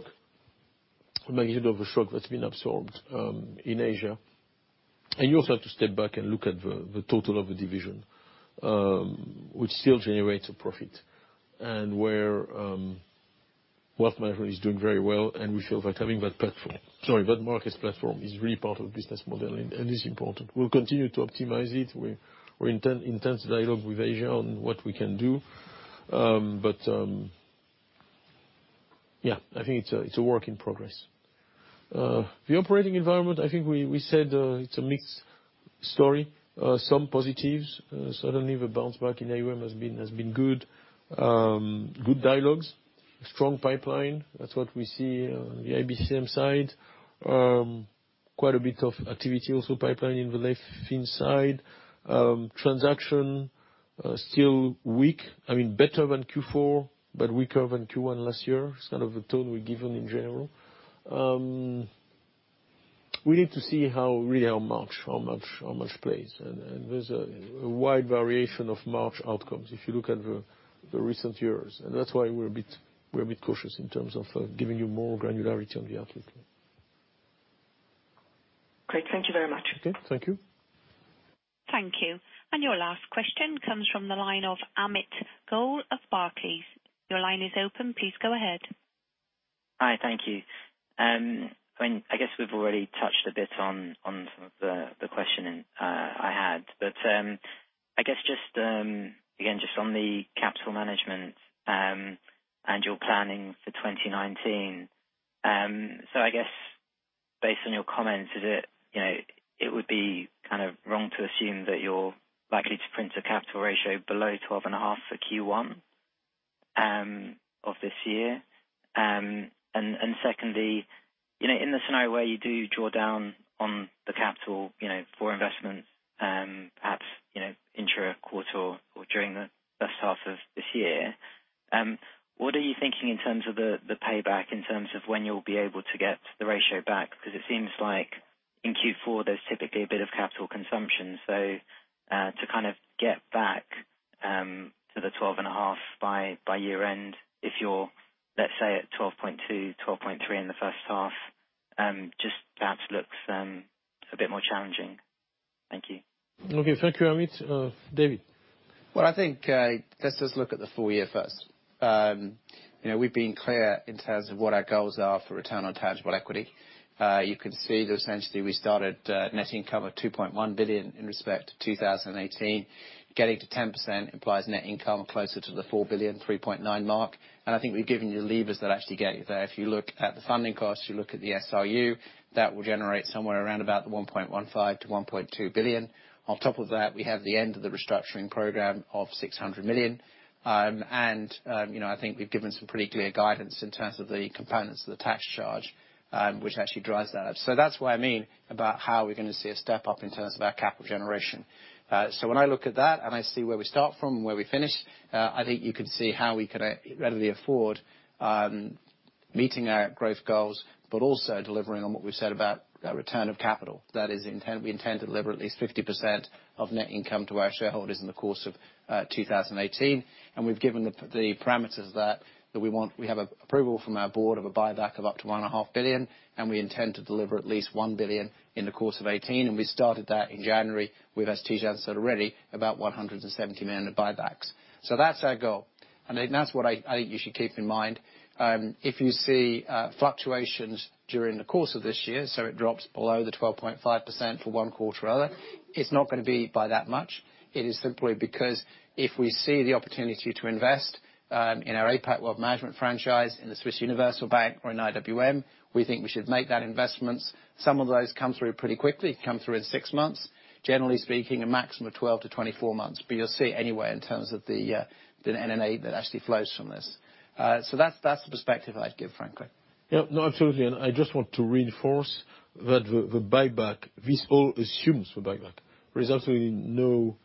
magnitude of the shock that's been absorbed in Asia. You also have to step back and look at the total of the division, which still generates a profit, and where wealth management is doing very well, and we feel that having that platform, sorry, that markets platform is really part of the business model and is important. We'll continue to optimize it. We're intense dialogue with Asia on what we can do. I think it's a work in progress. The operating environment, I think we said, it's a mixed story, some positives. Certainly, the bounce back in AUM has been good. Good dialogues, strong pipeline. That's what we see on the IBCM side. Quite a bit of activity also pipeline in the life inside. Transactions, still weak, I mean, better than Q4, but weaker than Q1 last year, sort of the tone we've given in general. We need to see really how much plays, and there's a wide variation of March outcomes if you look at the recent years, and that's why we're a bit cautious in terms of giving you more granularity on the outlook. Great. Thank you very much. Okay. Thank you. Thank you. Your last question comes from the line of Amit Goel of Barclays. Your line is open. Please go ahead. Hi. Thank you. I guess we've already touched a bit on some of the questioning I had. I guess, again, just from the capital management, your planning for 2019. I guess based on your comments, it would be kind of wrong to assume that you're likely to print a capital ratio below 12.5 for Q1 of this year. Secondly, in the scenario where you do draw down on the capital for investment, perhaps, intra quarter or during the first half of this year, what are you thinking in terms of the payback in terms of when you'll be able to get the ratio back? Because it seems like in Q4, there's typically a bit of capital consumption. To kind of get back, to the 12.5 by year end if you're, let's say, at 12.2, 12.3 in the first half, just perhaps looks, a bit more challenging. Thank you. Okay. Thank you, Amit. David? Well, I think, let's just look at the full year first. We've been clear in terms of what our goals are for RoTE. You can see that essentially we started net income at 2.1 billion in respect to 2018. Getting to 10% implies net income closer to the 4 billion, 3.9 mark. I think we've given you the levers that actually get you there. If you look at the funding costs, you look at the SRU, that will generate somewhere around about the 1.15 billion-1.2 billion. On top of that, we have the end of the restructuring program of 600 million. I think we've given some pretty clear guidance in terms of the components of the tax charge, which actually drives that up. That's what I mean about how we're going to see a step up in terms of our capital generation. When I look at that and I see where we start from and where we finish, I think you can see how we could readily afford meeting our growth goals, but also delivering on what we've said about our return of capital. That is, we intend to deliver at least 50% of net income to our shareholders in the course of 2018. We've given the parameters that we want. We have approval from our board of a buyback of up to one and a half billion, and we intend to deliver at least 1 billion in the course of 2018. We started that in January with, as Tidjane said already, about 170 million of buybacks. That's our goal. That's what I think you should keep in mind. If you see fluctuations during the course of this year, it drops below the 12.5% for one quarter or other, it's not going to be by that much. It is simply because if we see the opportunity to invest in our APAC World Management franchise, in the Swiss Universal Bank or in IWM, we think we should make that investments. Some of those come through pretty quickly, come through in six months. Generally speaking, a maximum of 12 months-24 months. You'll see anyway in terms of the NNA that actually flows from this. That's the perspective I'd give, frankly. Absolutely. I just want to reinforce that the buyback, this all assumes the buyback. There is absolutely no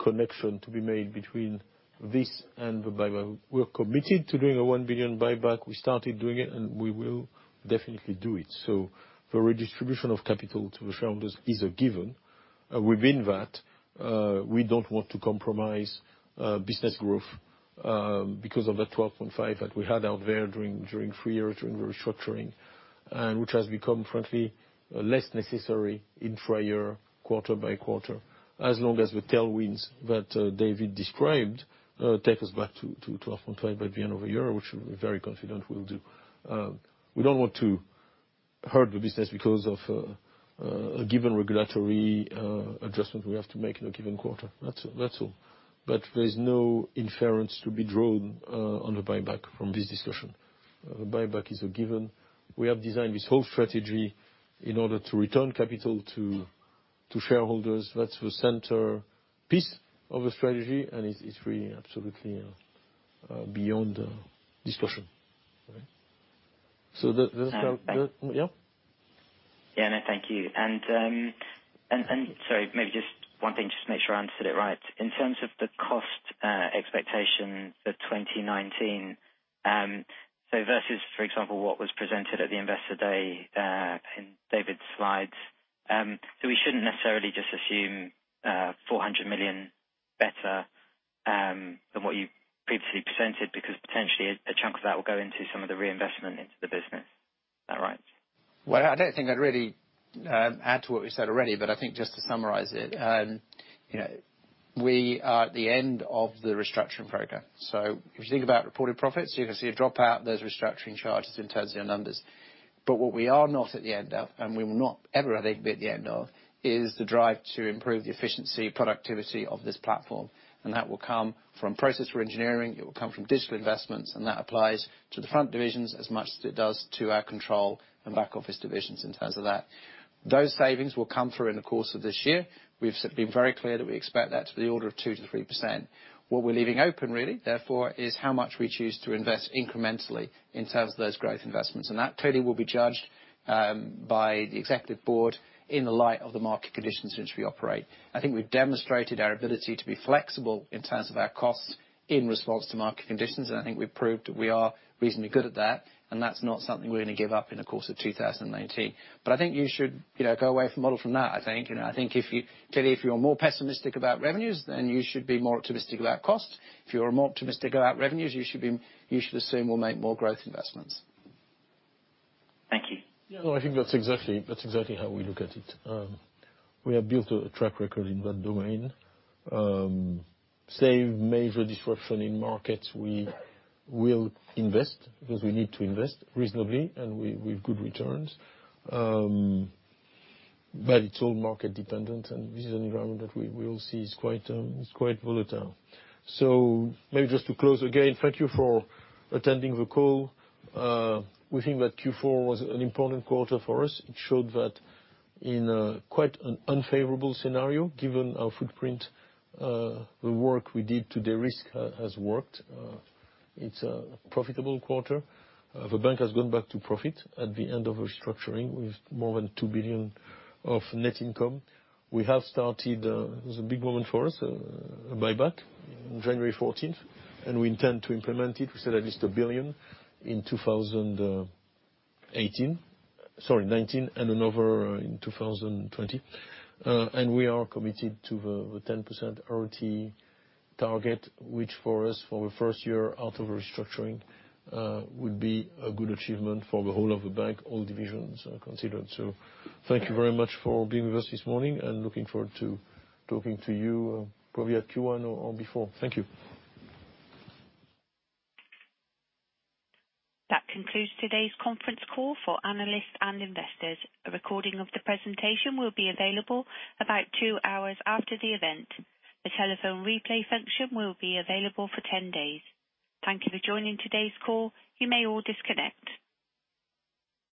connection to be made between this and the buyback. We are committed to doing a 1 billion buyback. We started doing it, and we will definitely do it. The redistribution of capital to shareholders is a given. Within that, we do not want to compromise business growth because of the 12.5 that we had out there during three years during the restructuring, and which has become, frankly, less necessary in prior quarter by quarter, as long as the tailwinds that David Mathers described take us back to 12.5 by the end of the year, which we are very confident we will do. We do not want to hurt the business because of a given regulatory adjustment we have to make in a given quarter. That is all. There is no inference to be drawn on the buyback from this discussion. The buyback is a given. We have designed this whole strategy in order to return capital to shareholders. That is the centerpiece of the strategy, and it is really absolutely beyond discussion. Right. Yeah. Yeah. Thank you. Sorry, maybe just one thing, just to make sure I understood it right. In terms of the cost expectation for 2019, versus, for example, what was presented at the Investor Day in David Mathers' slides. We should not necessarily just assume 400 million better than what you previously presented because potentially a chunk of that will go into some of the reinvestment into the business. Is that right? I do not think I would really add to what we said already, but I think just to summarize it. We are at the end of the restructuring program. If you think about reported profits, you can see a drop out those restructuring charges in terms of your numbers. What we are not at the end of, and we will not ever, I think, be at the end of, is the drive to improve the efficiency, productivity of this platform. That will come from process reengineering, it will come from digital investments, and that applies to the front divisions as much as it does to our control and back office divisions in terms of that. Those savings will come through in the course of this year. We have been very clear that we expect that to be the order of 2%-3%. What we're leaving open really, therefore, is how much we choose to invest incrementally in terms of those growth investments. That clearly will be judged by the executive board in the light of the market conditions in which we operate. I think we've demonstrated our ability to be flexible in terms of our costs in response to market conditions, and I think we've proved that we are reasonably good at that, and that's not something we're going to give up in the course of 2019. I think you should go away from model from that, I think. If you're more pessimistic about revenues, you should be more optimistic about costs. If you are more optimistic about revenues, you should assume we'll make more growth investments. Thank you. I think that's exactly how we look at it. We have built a track record in that domain. Save major disruption in markets, we will invest because we need to invest reasonably and with good returns. It's all market dependent, and this is an environment that we all see is quite volatile. Maybe just to close again, thank you for attending the call. We think that Q4 was an important quarter for us. It showed that in a quite unfavorable scenario, given our footprint, the work we did to derisk has worked. It's a profitable quarter. The bank has gone back to profit at the end of restructuring with more than 2 billion of net income. We have started, it's a big moment for us, a buyback on January 14th, and we intend to implement it. We said at least 1 billion in 2018, sorry, 2019, and another CHF 1 billion in 2020. We are committed to the 10% RoTE target, which for us, for the first year out of restructuring, would be a good achievement for the whole of the bank, all divisions considered. Thank you very much for being with us this morning, and looking forward to talking to you probably at Q1 or before. Thank you. That concludes today's conference call for analysts and investors. A recording of the presentation will be available about two hours after the event. The telephone replay function will be available for 10 days. Thank you for joining today's call. You may all disconnect.